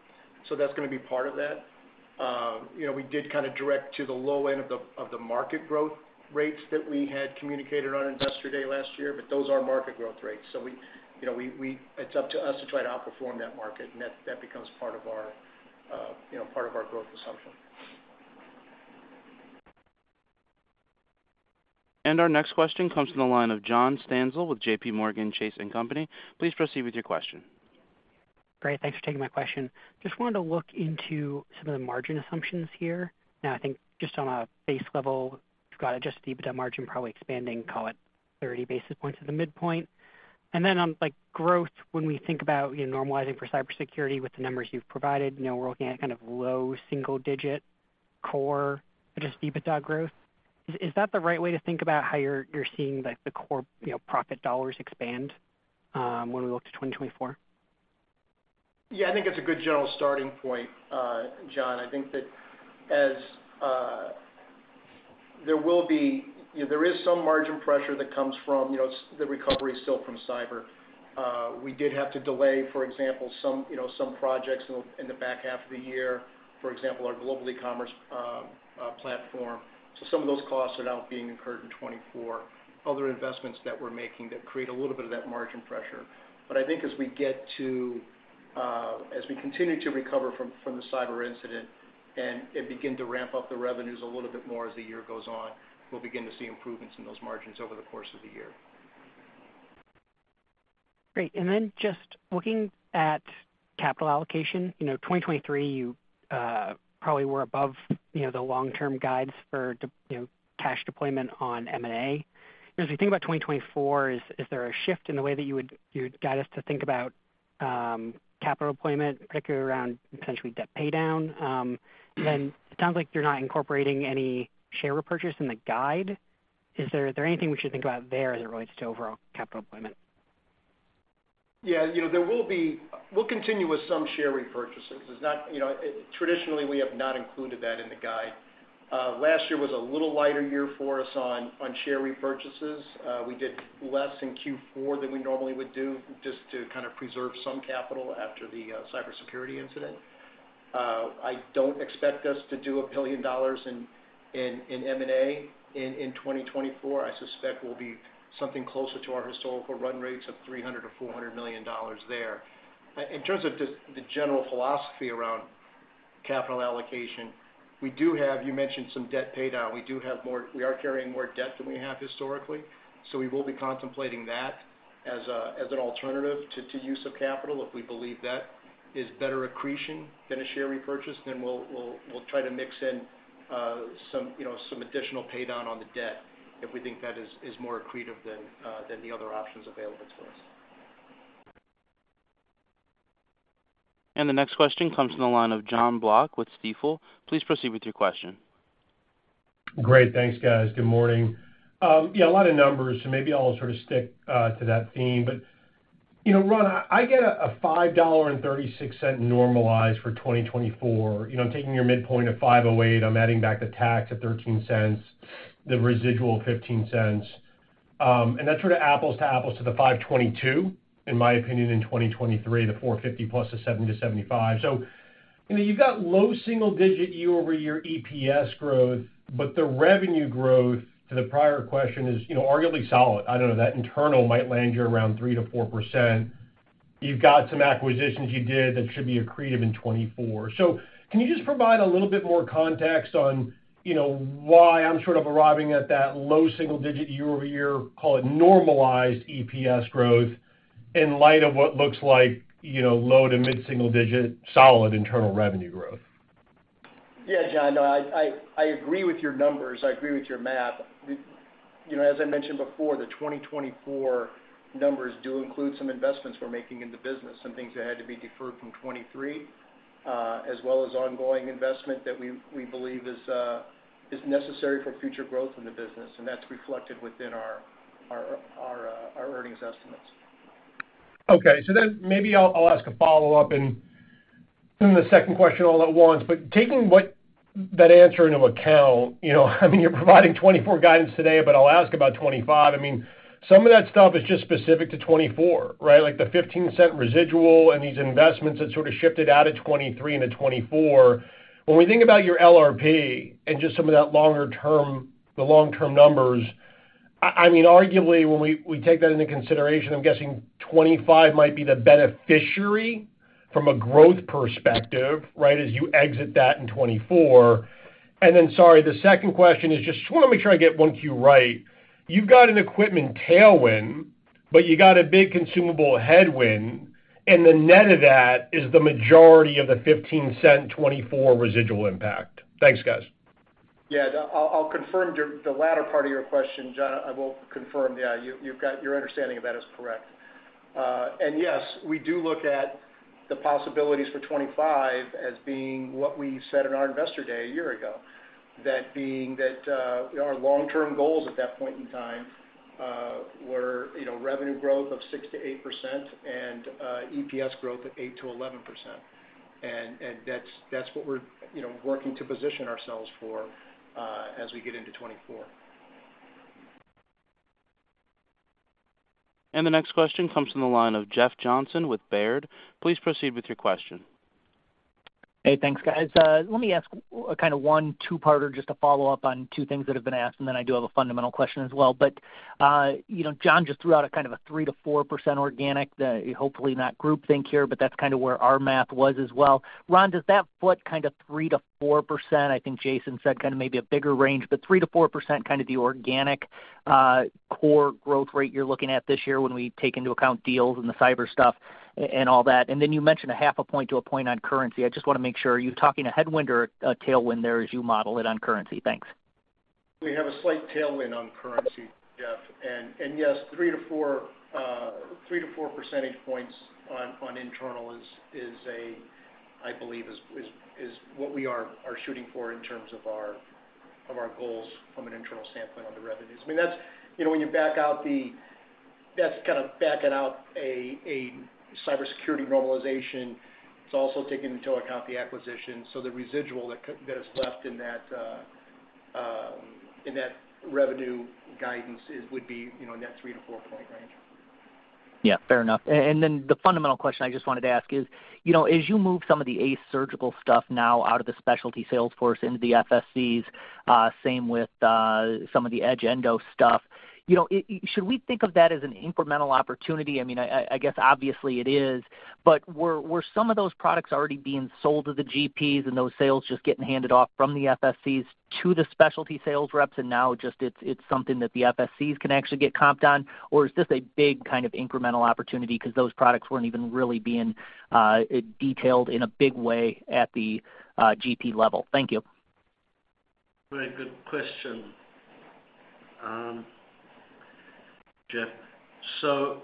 so that's gonna be part of that. You know, we did kind of direct to the low end of the market growth rates that we had communicated on Investor Day last year, but those are market growth rates. So we, you know, it's up to us to try to outperform that market, and that becomes part of our, you know, growth assumption. Our next question comes from the line of John Stancil with JPMorgan Chase and Company. Please proceed with your question. Great. Thanks for taking my question. Just wanted to look into some of the margin assumptions here. Now, I think just on a base level, you've got just the EBITDA margin probably expanding, call it 30 basis points at the midpoint. And then on, like, growth, when we think about, you know, normalizing for cybersecurity with the numbers you've provided, you know, we're looking at kind of low single digit core, just EBITDA growth. Is that the right way to think about how you're seeing, like, the core, you know, profit dollars expand, when we look to 2024? Yeah, I think it's a good general starting point, John. I think that as there will be. You know, there is some margin pressure that comes from, you know, the recovery still from cyber. We did have to delay, for example, some, you know, some projects in the back half of the year, for example, our global e-commerce platform. So some of those costs are now being incurred in 2024. Other investments that we're making that create a little bit of that margin pressure. But I think as we get to, as we continue to recover from the cyber incident and begin to ramp up the revenues a little bit more as the year goes on, we'll begin to see improvements in those margins over the course of the year. Great. And then just looking at capital allocation, you know, 2023, you probably were above, you know, the long-term guides for the, you know, cash deployment on M&A. As we think about 2024, is there a shift in the way that you would you'd guide us to think about capital deployment, particularly around potentially debt paydown? Then it sounds like you're not incorporating any share repurchase in the guide. Is there anything we should think about there as it relates to overall capital deployment? Yeah, you know, there will be. We'll continue with some share repurchases. It's not, you know, traditionally, we have not included that in the guide. Last year was a little lighter year for us on share repurchases. We did less in Q4 than we normally would do, just to kind of preserve some capital after the cybersecurity incident. I don't expect us to do $1 billion in M&A in 2024. I suspect we'll be something closer to our historical run rates of $300 million-$400 million there. In terms of just the general philosophy around capital allocation, we do have, you mentioned, some debt paydown. We do have more. We are carrying more debt than we have historically, so we will be contemplating that as an alternative to use of capital. If we believe that is better accretion than a share repurchase, then we'll try to mix in some, you know, some additional paydown on the debt if we think that is more accretive than the other options available to us. The next question comes from the line of Jon Block with Stifel. Please proceed with your question. Great. Thanks, guys. Good morning. Yeah, a lot of numbers, so maybe I'll sort of stick to that theme. But, you know, Ron, I get a $5.36 normalized for 2024. You know, I'm taking your midpoint of $5.08, I'm adding back the tax of $0.13, the residual $0.15. And that's sort of apples to apples to the $5.22, in my opinion, in 2023, the $4.50 plus the 70-75 cents. So, you know, you've got low single-digit year-over-year EPS growth, but the revenue growth, to the prior question, is, you know, arguably solid. I don't know, that internal might land you around 3%-4%. You've got some acquisitions you did that should be accretive in 2024. So can you just provide a little bit more context on, you know, why I'm sort of arriving at that low single digit year-over-year, call it, normalized EPS growth, in light of what looks like, you know, low to mid-single digit, solid internal revenue growth? Yeah, John, I agree with your numbers. I agree with your math. The, you know, as I mentioned before, the 2024 numbers do include some investments we're making in the business, some things that had to be deferred from 2023, as well as ongoing investment that we believe is necessary for future growth in the business, and that's reflected within our earnings estimates. Okay. So then maybe I'll, I'll ask a follow-up and then the second question all at once. But taking what, that answer into account, you know, I mean, you're providing 2024 guidance today, but I'll ask about 2025. I mean, some of that stuff is just specific to 2024, right? Like, the $0.15 residual and these investments that sort of shifted out of 2023 into 2024. When we think about your LRP and just some of that longer term, the long-term numbers, I, I mean, arguably, when we, we take that into consideration, I'm guessing 2025 might be the beneficiary from a growth perspective, right, as you exit that in 2024. And then, sorry, the second question is just, just wanna make sure I get 1Q right. You've got an equipment tailwind, but you got a big consumable headwind, and the net of that is the majority of the $0.15 2024 residual impact. Thanks, guys. Yeah, I'll confirm your—the latter part of your question, John. I will confirm, yeah, you've got. Your understanding of that is correct. And yes, we do look at the possibilities for 2025 as being what we said in our investor day a year ago. That being that, our long-term goals at that point in time were, you know, revenue growth of 6%-8% and EPS growth of 8%-11%. And that's what we're, you know, working to position ourselves for, as we get into 2024. The next question comes from the line of Jeff Johnson with Baird. Please proceed with your question. Hey, thanks, guys. Let me ask a kind of 1-2 parter, just to follow up on 2 things that have been asked, and then I do have a fundamental question as well. You know, John just threw out a kind of 3%-4% organic, hopefully not groupthink here, but that's kind of where our math was as well. Ron, does that put kind of 3%-4%, I think Jason said kind of maybe a bigger range, but 3%-4%, kind of the organic core growth rate you're looking at this year when we take into account deals and the cyber stuff and all that? And then you mentioned a 0.5-1 point on currency. I just wanna make sure, are you talking a headwind or a tailwind there as you model it on currency? Thanks. We have a slight tailwind on currency, Jeff. And yes, 3-4 percentage points on internal is a, I believe, what we are shooting for in terms of our goals from an internal standpoint on the revenues. I mean, that's. You know, when you back out the-- that's kind of backing out a cybersecurity normalization. It's also taking into account the acquisition, so the residual that is left in that revenue guidance is would be, you know, in that 3-4-point range. Yeah, fair enough. And then the fundamental question I just wanted to ask is: You know, as you move some of the ACE Surgical stuff now out of the specialty sales force into the FSCs, same with some of the EdgeEndo stuff, you know, should we think of that as an incremental opportunity? I mean, I guess obviously it is, but were some of those products already being sold to the GPs and those sales just getting handed off from the FSCs to the specialty sales reps, and now just it's something that the FSCs can actually get comped on? Or is this a big kind of incremental opportunity because those products weren't even really being detailed in a big way at the GP level? Thank you. Very good question, Jeff. So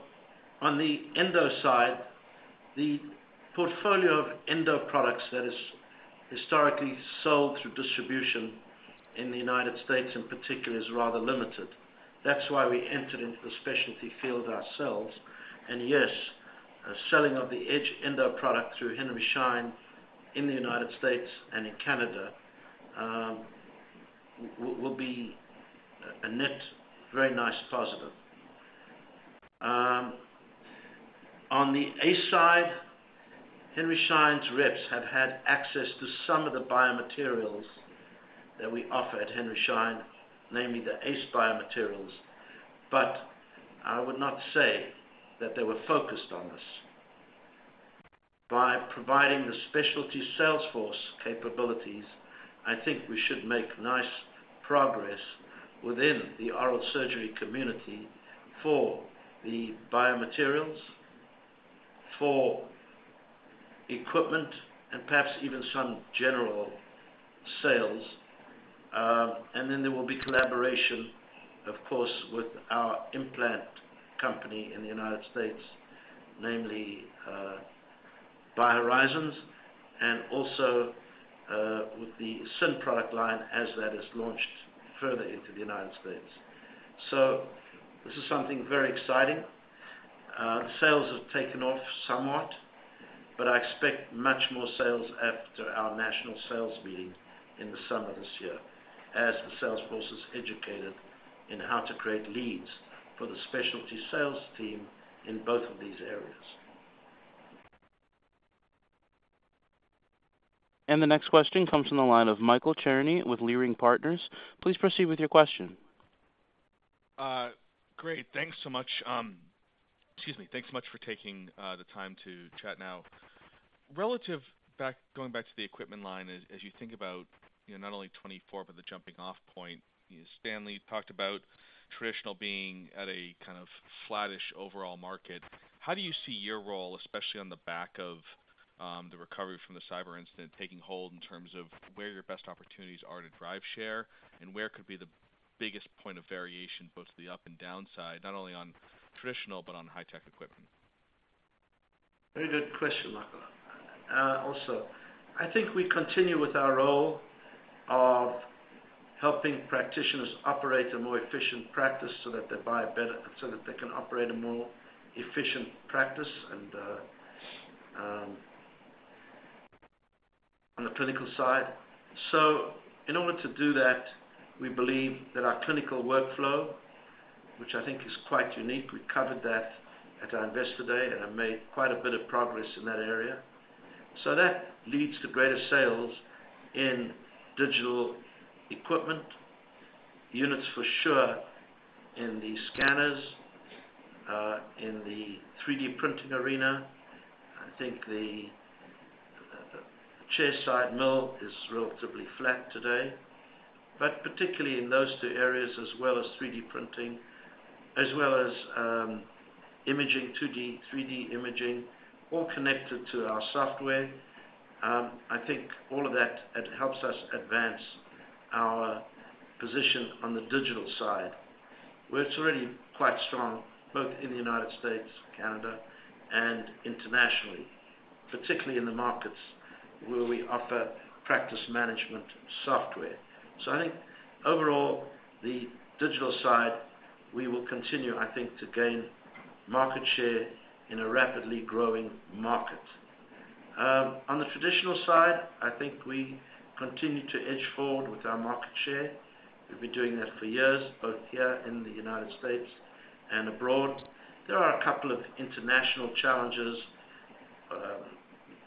on the endo side- The portfolio of endo products that is historically sold through distribution in the United States, in particular, is rather limited. That's why we entered into the specialty field ourselves. And yes, the selling of the EdgeEndo product through Henry Schein in the United States and in Canada will be a net, very nice positive. On the ACE side, Henry Schein's reps have had access to some of the biomaterials that we offer at Henry Schein, namely the ACE biomaterials, but I would not say that they were focused on this. By providing the specialty sales force capabilities, I think we should make nice progress within the oral surgery community for the biomaterials, for equipment, and perhaps even some general sales. And then there will be collaboration, of course, with our implant company in the United States, namely, BioHorizons, and also, with the S.I.N. product line as that is launched further into the United States. So this is something very exciting. Sales have taken off somewhat, but I expect much more sales after our national sales meeting in the summer of this year, as the sales force is educated in how to create leads for the specialty sales team in both of these areas. The next question comes from the line of Michael Cherny with Leerink Partners. Please proceed with your question. Great. Thanks so much. Excuse me. Thanks so much for taking the time to chat now. Going back to the equipment line, as you think about, you know, not only 2024, but the jumping off point, Stanley talked about traditional being at a kind of flattish overall market. How do you see your role, especially on the back of the recovery from the cyber incident, taking hold in terms of where your best opportunities are to drive share? And where could be the biggest point of variation, both the up and downside, not only on traditional, but on high tech equipment? Very good question, Michael. Also, I think we continue with our role of helping practitioners operate a more efficient practice so that they buy better, so that they can operate a more efficient practice and on the clinical side. So in order to do that, we believe that our clinical workflow, which I think is quite unique, we covered that at our Investor Day, and have made quite a bit of progress in that area. So that leads to greater sales in digital equipment, units for sure, in the scanners, in the 3D printing arena. I think the chairside mill is relatively flat today, but particularly in those two areas, as well as 3D printing, as well as imaging, 2D, 3D imaging, all connected to our software. I think all of that, it helps us advance our position on the digital side, where it's already quite strong, both in the United States, Canada, and internationally, particularly in the markets where we offer practice management software. So I think overall, the digital side, we will continue, I think, to gain market share in a rapidly growing market. On the traditional side, I think we continue to edge forward with our market share. We've been doing that for years, both here in the United States and abroad. There are a couple of international challenges,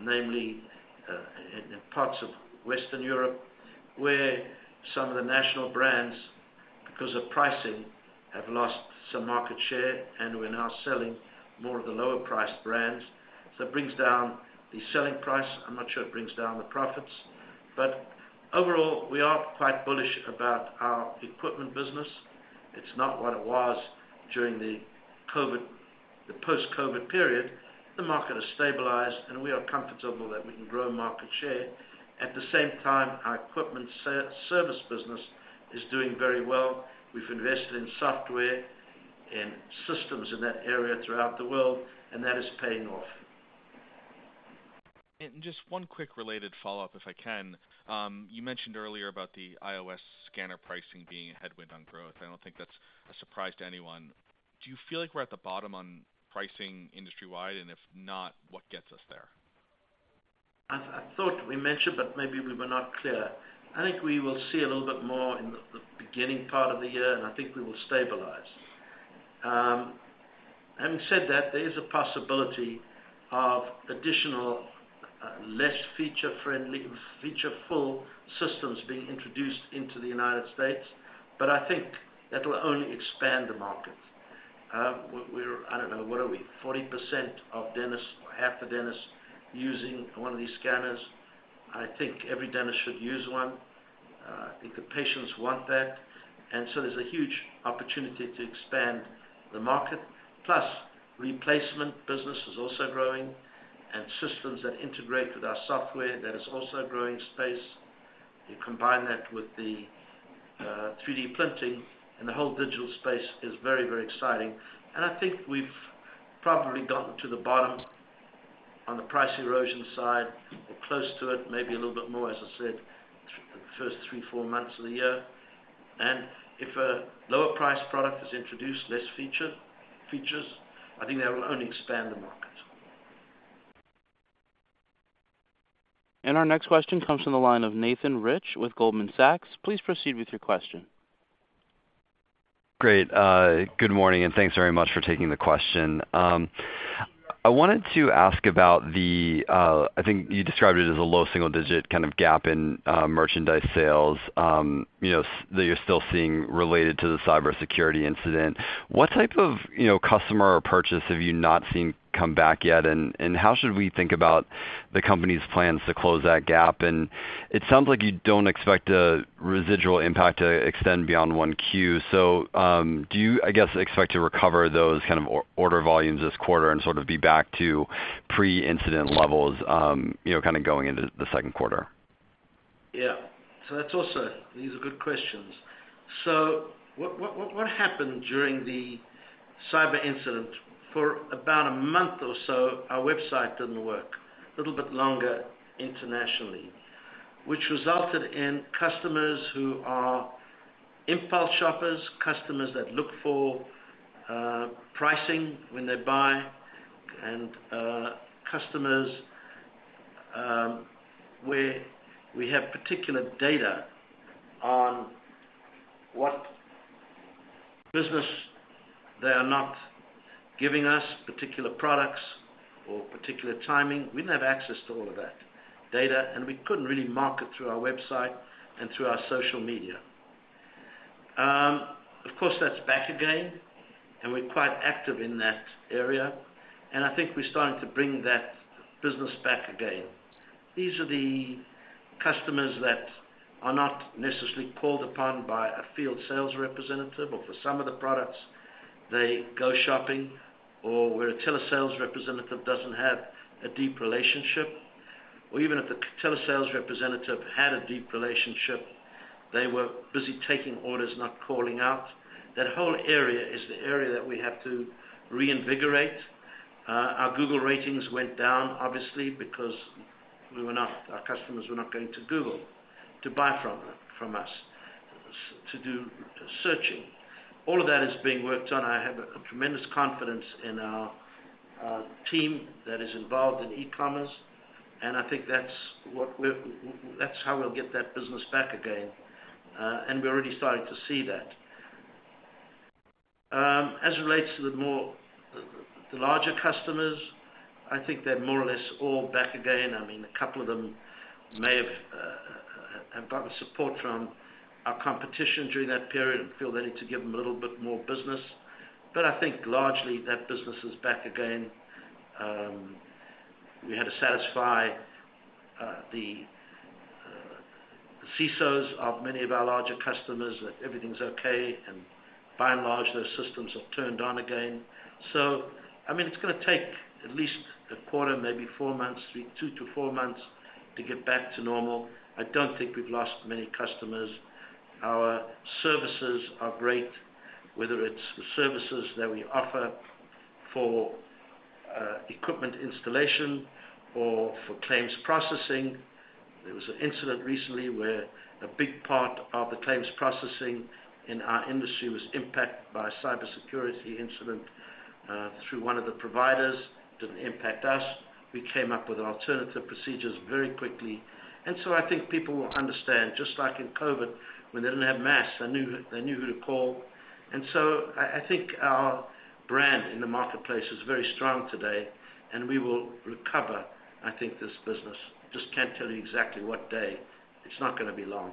namely, in parts of Western Europe, where some of the national brands, because of pricing, have lost some market share, and we're now selling more of the lower-priced brands. So it brings down the selling price. I'm not sure it brings down the profits, but overall, we are quite bullish about our equipment business. It's not what it was during the COVID, the post-COVID period. The market has stabilized, and we are comfortable that we can grow market share. At the same time, our equipment service business is doing very well. We've invested in software and systems in that area throughout the world, and that is paying off. Just one quick related follow-up, if I can. You mentioned earlier about the IOS scanner pricing being a headwind on growth. I don't think that's a surprise to anyone. Do you feel like we're at the bottom on pricing industry-wide, and if not, what gets us there? I thought we mentioned, but maybe we were not clear. I think we will see a little bit more in the beginning part of the year, and I think we will stabilize. Having said that, there is a possibility of additional less feature-friendly, feature-full systems being introduced into the United States, but I think that will only expand the market. We're, I don't know, what are we? 40% of dentists or half the dentists using one of these scanners. I think every dentist should use one. I think the patients want that, and so there's a huge opportunity to expand the market. Plus, replacement business is also growing, and systems that integrate with our software, that is also a growing space. You combine that with the 3D printing, and the whole digital space is very, very exciting. I think we've probably gotten to the bottom on the price erosion side, or close to it, maybe a little bit more, as I said, the first 3, 4 months of the year. And if a lower price product is introduced, less features, I think that will only expand the market. Our next question comes from the line of Nathan Rich with Goldman Sachs. Please proceed with your question. Great. Good morning, and thanks very much for taking the question. I wanted to ask about the, I think you described it as a low single digit kind of gap in, merchandise sales, you know, that you're still seeing related to the cybersecurity incident. What type of, you know, customer or purchase have you not seen come back yet? And, how should we think about the company's plans to close that gap? And it sounds like you don't expect a residual impact to extend beyond one Q. So, do you, I guess, expect to recover those kind of order volumes this quarter and sort of be back to pre-incident levels, you know, kind of going into the second quarter? Yeah. So that's also. These are good questions. So what happened during the cyber incident? For about a month or so, our website didn't work, a little bit longer internationally, which resulted in customers who are impulse shoppers, customers that look for pricing when they buy, and customers where we have particular data on what business they are not giving us, particular products or particular timing. We didn't have access to all of that data, and we couldn't really market through our website and through our social media. Of course, that's back again, and we're quite active in that area, and I think we're starting to bring that business back again. These are the customers that are not necessarily called upon by a field sales representative, or for some of the products, they go shopping, or where a telesales representative doesn't have a deep relationship, or even if the telesales representative had a deep relationship, they were busy taking orders, not calling out. That whole area is the area that we have to reinvigorate. Our Google ratings went down, obviously, because our customers were not going to Google to buy from, from us, to do searching. All of that is being worked on. I have a tremendous confidence in our team that is involved in e-commerce, and I think that's how we'll get that business back again, and we're already starting to see that. As it relates to the larger customers, I think they're more or less all back again. I mean, a couple of them may have gotten support from our competition during that period and feel they need to give them a little bit more business. But I think largely, that business is back again. We had to satisfy the CISOs of many of our larger customers that everything's okay, and by and large, those systems have turned on again. So I mean, it's gonna take at least a quarter, maybe 4 months, 2-4 months, to get back to normal. I don't think we've lost many customers. Our services are great, whether it's the services that we offer for equipment installation or for claims processing. There was an incident recently where a big part of the claims processing in our industry was impacted by a cybersecurity incident through one of the providers. Didn't impact us. We came up with alternative procedures very quickly. And so I think people will understand, just like in COVID, when they didn't have masks, they knew, they knew who to call. And so I think our brand in the marketplace is very strong today, and we will recover, I think, this business. Just can't tell you exactly what day. It's not gonna be long.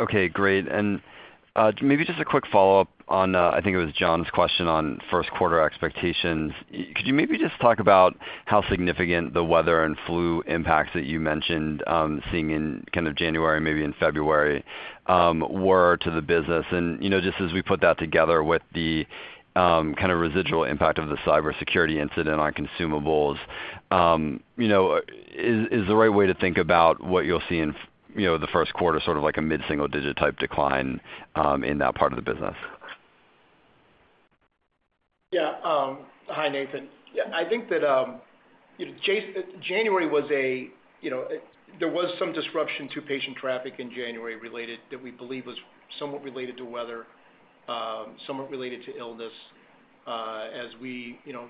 Okay, great. And, maybe just a quick follow-up on, I think it was John's question on first quarter expectations. Could you maybe just talk about how significant the weather and flu impacts that you mentioned, seeing in kind of January, maybe in February, were to the business? And, you know, just as we put that together with the, kind of residual impact of the cybersecurity incident on consumables, you know, is, is the right way to think about what you'll see in, you know, the first quarter, sort of like a mid-single digit type decline, in that part of the business? Yeah. Hi, Nathan. I think that, you know, January was a, you know, there was some disruption to patient traffic in January related that we believe was somewhat related to weather, somewhat related to illness. As we, you know,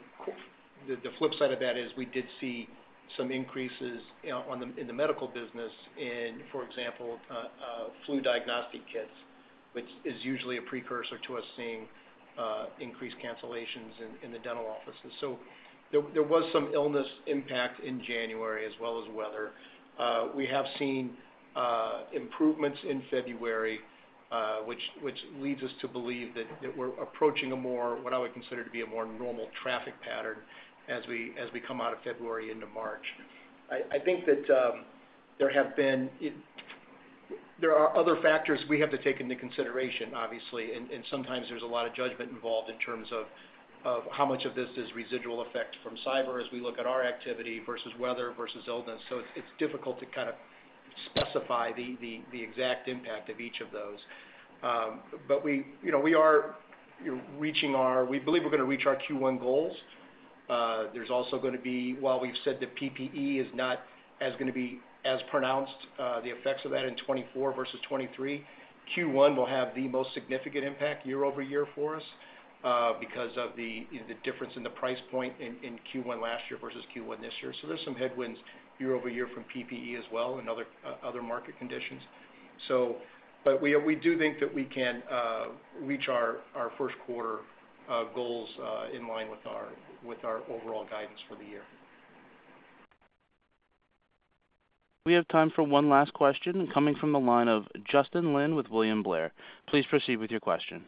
the flip side of that is we did see some increases in the medical business in, for example, flu diagnostic kits, which is usually a precursor to us seeing increased cancellations in the dental offices. So there was some illness impact in January as well as weather. We have seen improvements in February, which leads us to believe that we're approaching a more what I would consider to be a more normal traffic pattern as we come out of February into March. I think that there are other factors we have to take into consideration, obviously, and sometimes there's a lot of judgment involved in terms of how much of this is residual effect from cyber as we look at our activity, versus weather, versus illness. So it's difficult to kind of specify the exact impact of each of those. But we, you know, we believe we're gonna reach our Q1 goals. There's also gonna be, while we've said that PPE is not as gonna be as pronounced, the effects of that in 2024 versus 2023, Q1 will have the most significant impact year-over-year for us, because of you know, the difference in the price point in Q1 last year versus Q1 this year. There's some headwinds year-over-year from PPE as well, and other market conditions. But we do think that we can reach our first quarter goals in line with our overall guidance for the year. We have time for one last question, coming from the line of Justin Lin with William Blair. Please proceed with your question.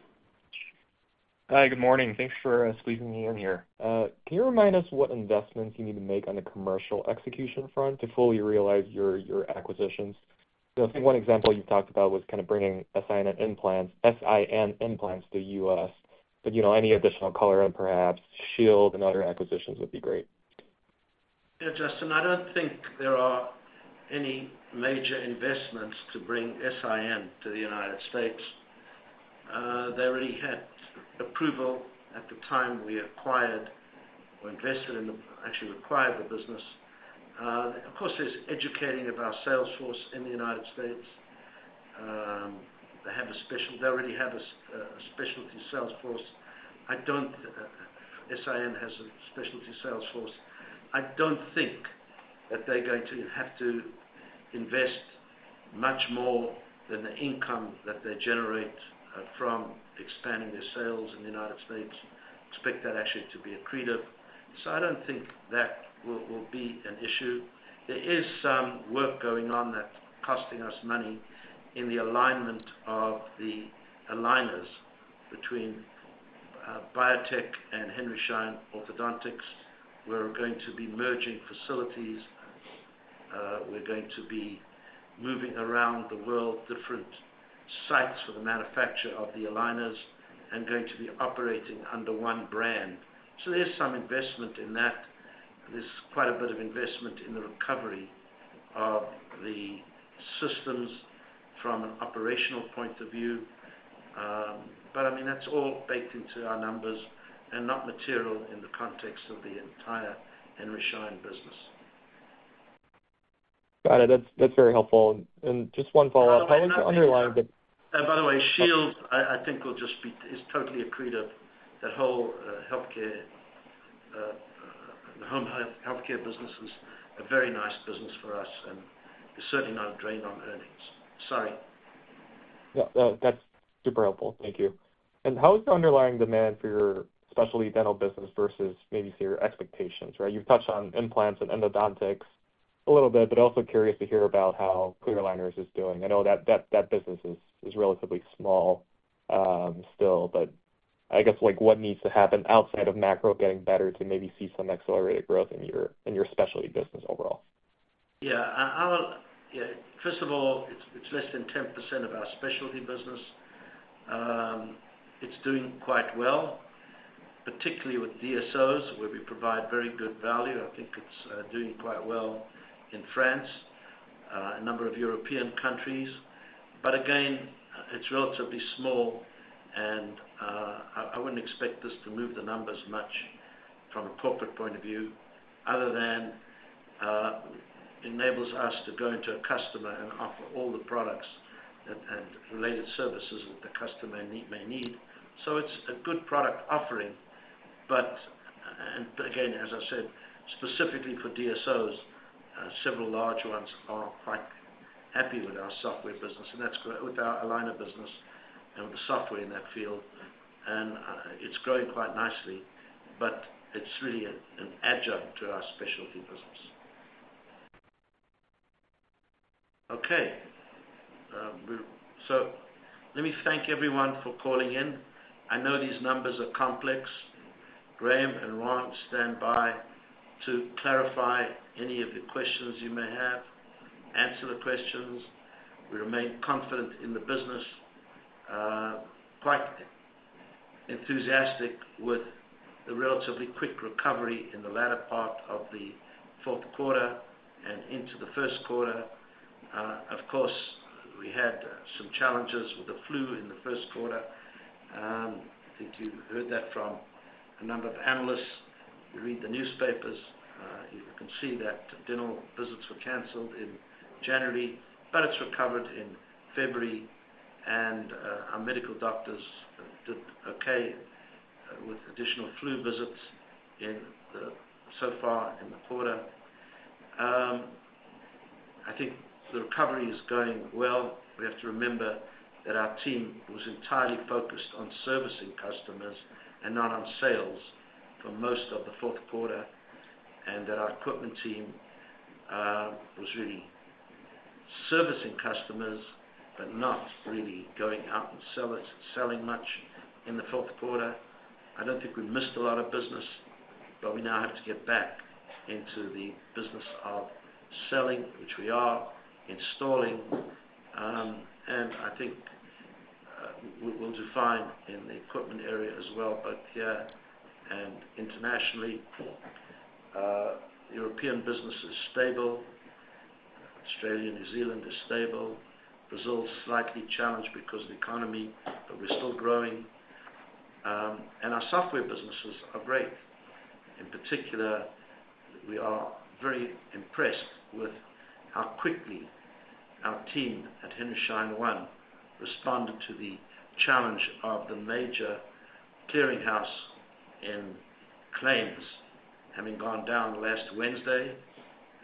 Hi, good morning. Thanks for squeezing me in here. Can you remind us what investments you need to make on the commercial execution front to fully realize your acquisitions? You know, I think one example you talked about was kind of bringing S.I.N. implants to U.S. But, you know, any additional color on perhaps Shield and other acquisitions would be great. Yeah, Justin, I don't think there are any major investments to bring S.I.N. to the United States. They already had approval at the time we acquired or invested in the—actually, acquired the business. Of course, there's educating of our sales force in the United States. They already have a specialty sales force. I don't. S.I.N. has a specialty sales force. I don't think that they're going to have to invest much more than the income that they generate from expanding their sales in the United States. Expect that actually to be accretive. So I don't think that will be an issue. There is some work going on that's costing us money in the alignment of the aligners between Biotech Dental and Henry Schein Orthodontics. We're going to be merging facilities, we're going to be moving around the world, different sites for the manufacture of the aligners and going to be operating under one brand. So there's some investment in that. There's quite a bit of investment in the recovery of the systems from an operational point of view. But I mean, that's all baked into our numbers and not material in the context of the entire Henry Schein business. Got it. That's, that's very helpful. And just one follow-up. How is the underlying- By the way, Shield, I think, will just be—is totally accretive. That whole healthcare, the home health, healthcare business is a very nice business for us, and it's certainly not a drain on earnings. Sorry. Yeah, that's super helpful. Thank you. And how is the underlying demand for your specialty dental business versus maybe for your expectations, right? You've touched on implants and endodontics a little bit, but also curious to hear about how clear aligners is doing. I know that business is relatively small still, but I guess, like, what needs to happen outside of macro getting better to maybe see some accelerated growth in your specialty business overall? Yeah, I'll. Yeah, first of all, it's less than 10% of our specialty business. It's doing quite well, particularly with DSOs, where we provide very good value. I think it's doing quite well in France, a number of European countries. But again, it's relatively small and I wouldn't expect this to move the numbers much from a corporate point of view, other than enables us to go into a customer and offer all the products and related services that the customer need, may need. So it's a good product offering, but and again, as I said, specifically for DSOs, several large ones are quite happy with our software business, and that's with our aligner business and the software in that field. And it's growing quite nicely, but it's really an adjunct to our specialty business. Okay, so let me thank everyone for calling in. I know these numbers are complex. Graham and Ron stand by to clarify any of the questions you may have, answer the questions. We remain confident in the business, quite enthusiastic with the relatively quick recovery in the latter part of the fourth quarter and into the first quarter. Of course, we had some challenges with the flu in the first quarter. I think you've heard that from a number of analysts. You read the newspapers, you can see that dental visits were canceled in January, but it's recovered in February, and our medical doctors did okay with additional flu visits so far in the quarter. I think the recovery is going well. We have to remember that our team was entirely focused on servicing customers and not on sales for most of the fourth quarter, and that our equipment team was really servicing customers, but not really going out and sell it, selling much in the fourth quarter. I don't think we missed a lot of business. But we now have to get back into the business of selling, which we are installing. And I think we, we'll do fine in the equipment area as well, both here and internationally. European business is stable. Australia, New Zealand is stable. Brazil, slightly challenged because of the economy, but we're still growing. And our software businesses are great. In particular, we are very impressed with how quickly our team at Henry Schein One responded to the challenge of the major clearinghouse in claims, having gone down last Wednesday,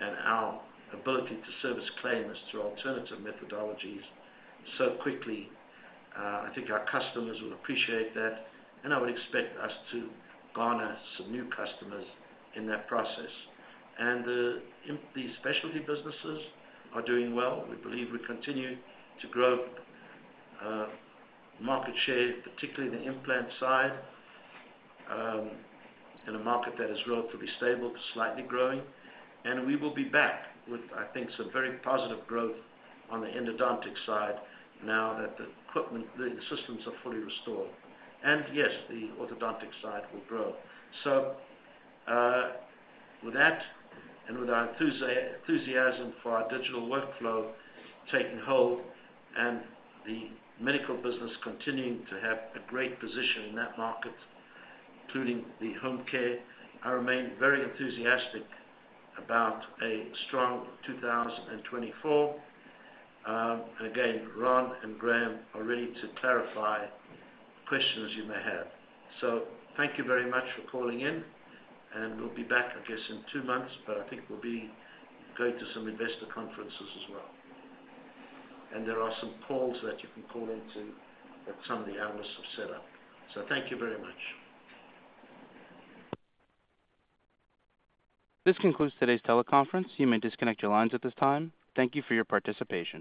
and our ability to service claims through alternative methodologies so quickly. I think our customers will appreciate that, and I would expect us to garner some new customers in that process. In the specialty businesses are doing well. We believe we continue to grow market share, particularly the implant side, in a market that is relatively stable, slightly growing. We will be back with, I think, some very positive growth on the endodontic side now that the equipment, the systems are fully restored. Yes, the orthodontic side will grow. So, with that, and with our enthusiasm for our digital workflow taking hold and the medical business continuing to have a great position in that market, including the home care, I remain very enthusiastic about a strong 2024. And again, Ron and Graham are ready to clarify questions you may have. So thank you very much for calling in, and we'll be back, I guess, in two months, but I think we'll be going to some investor conferences as well. And there are some calls that you can call into that some of the analysts have set up. So thank you very much. This concludes today's teleconference. You may disconnect your lines at this time. Thank you for your participation.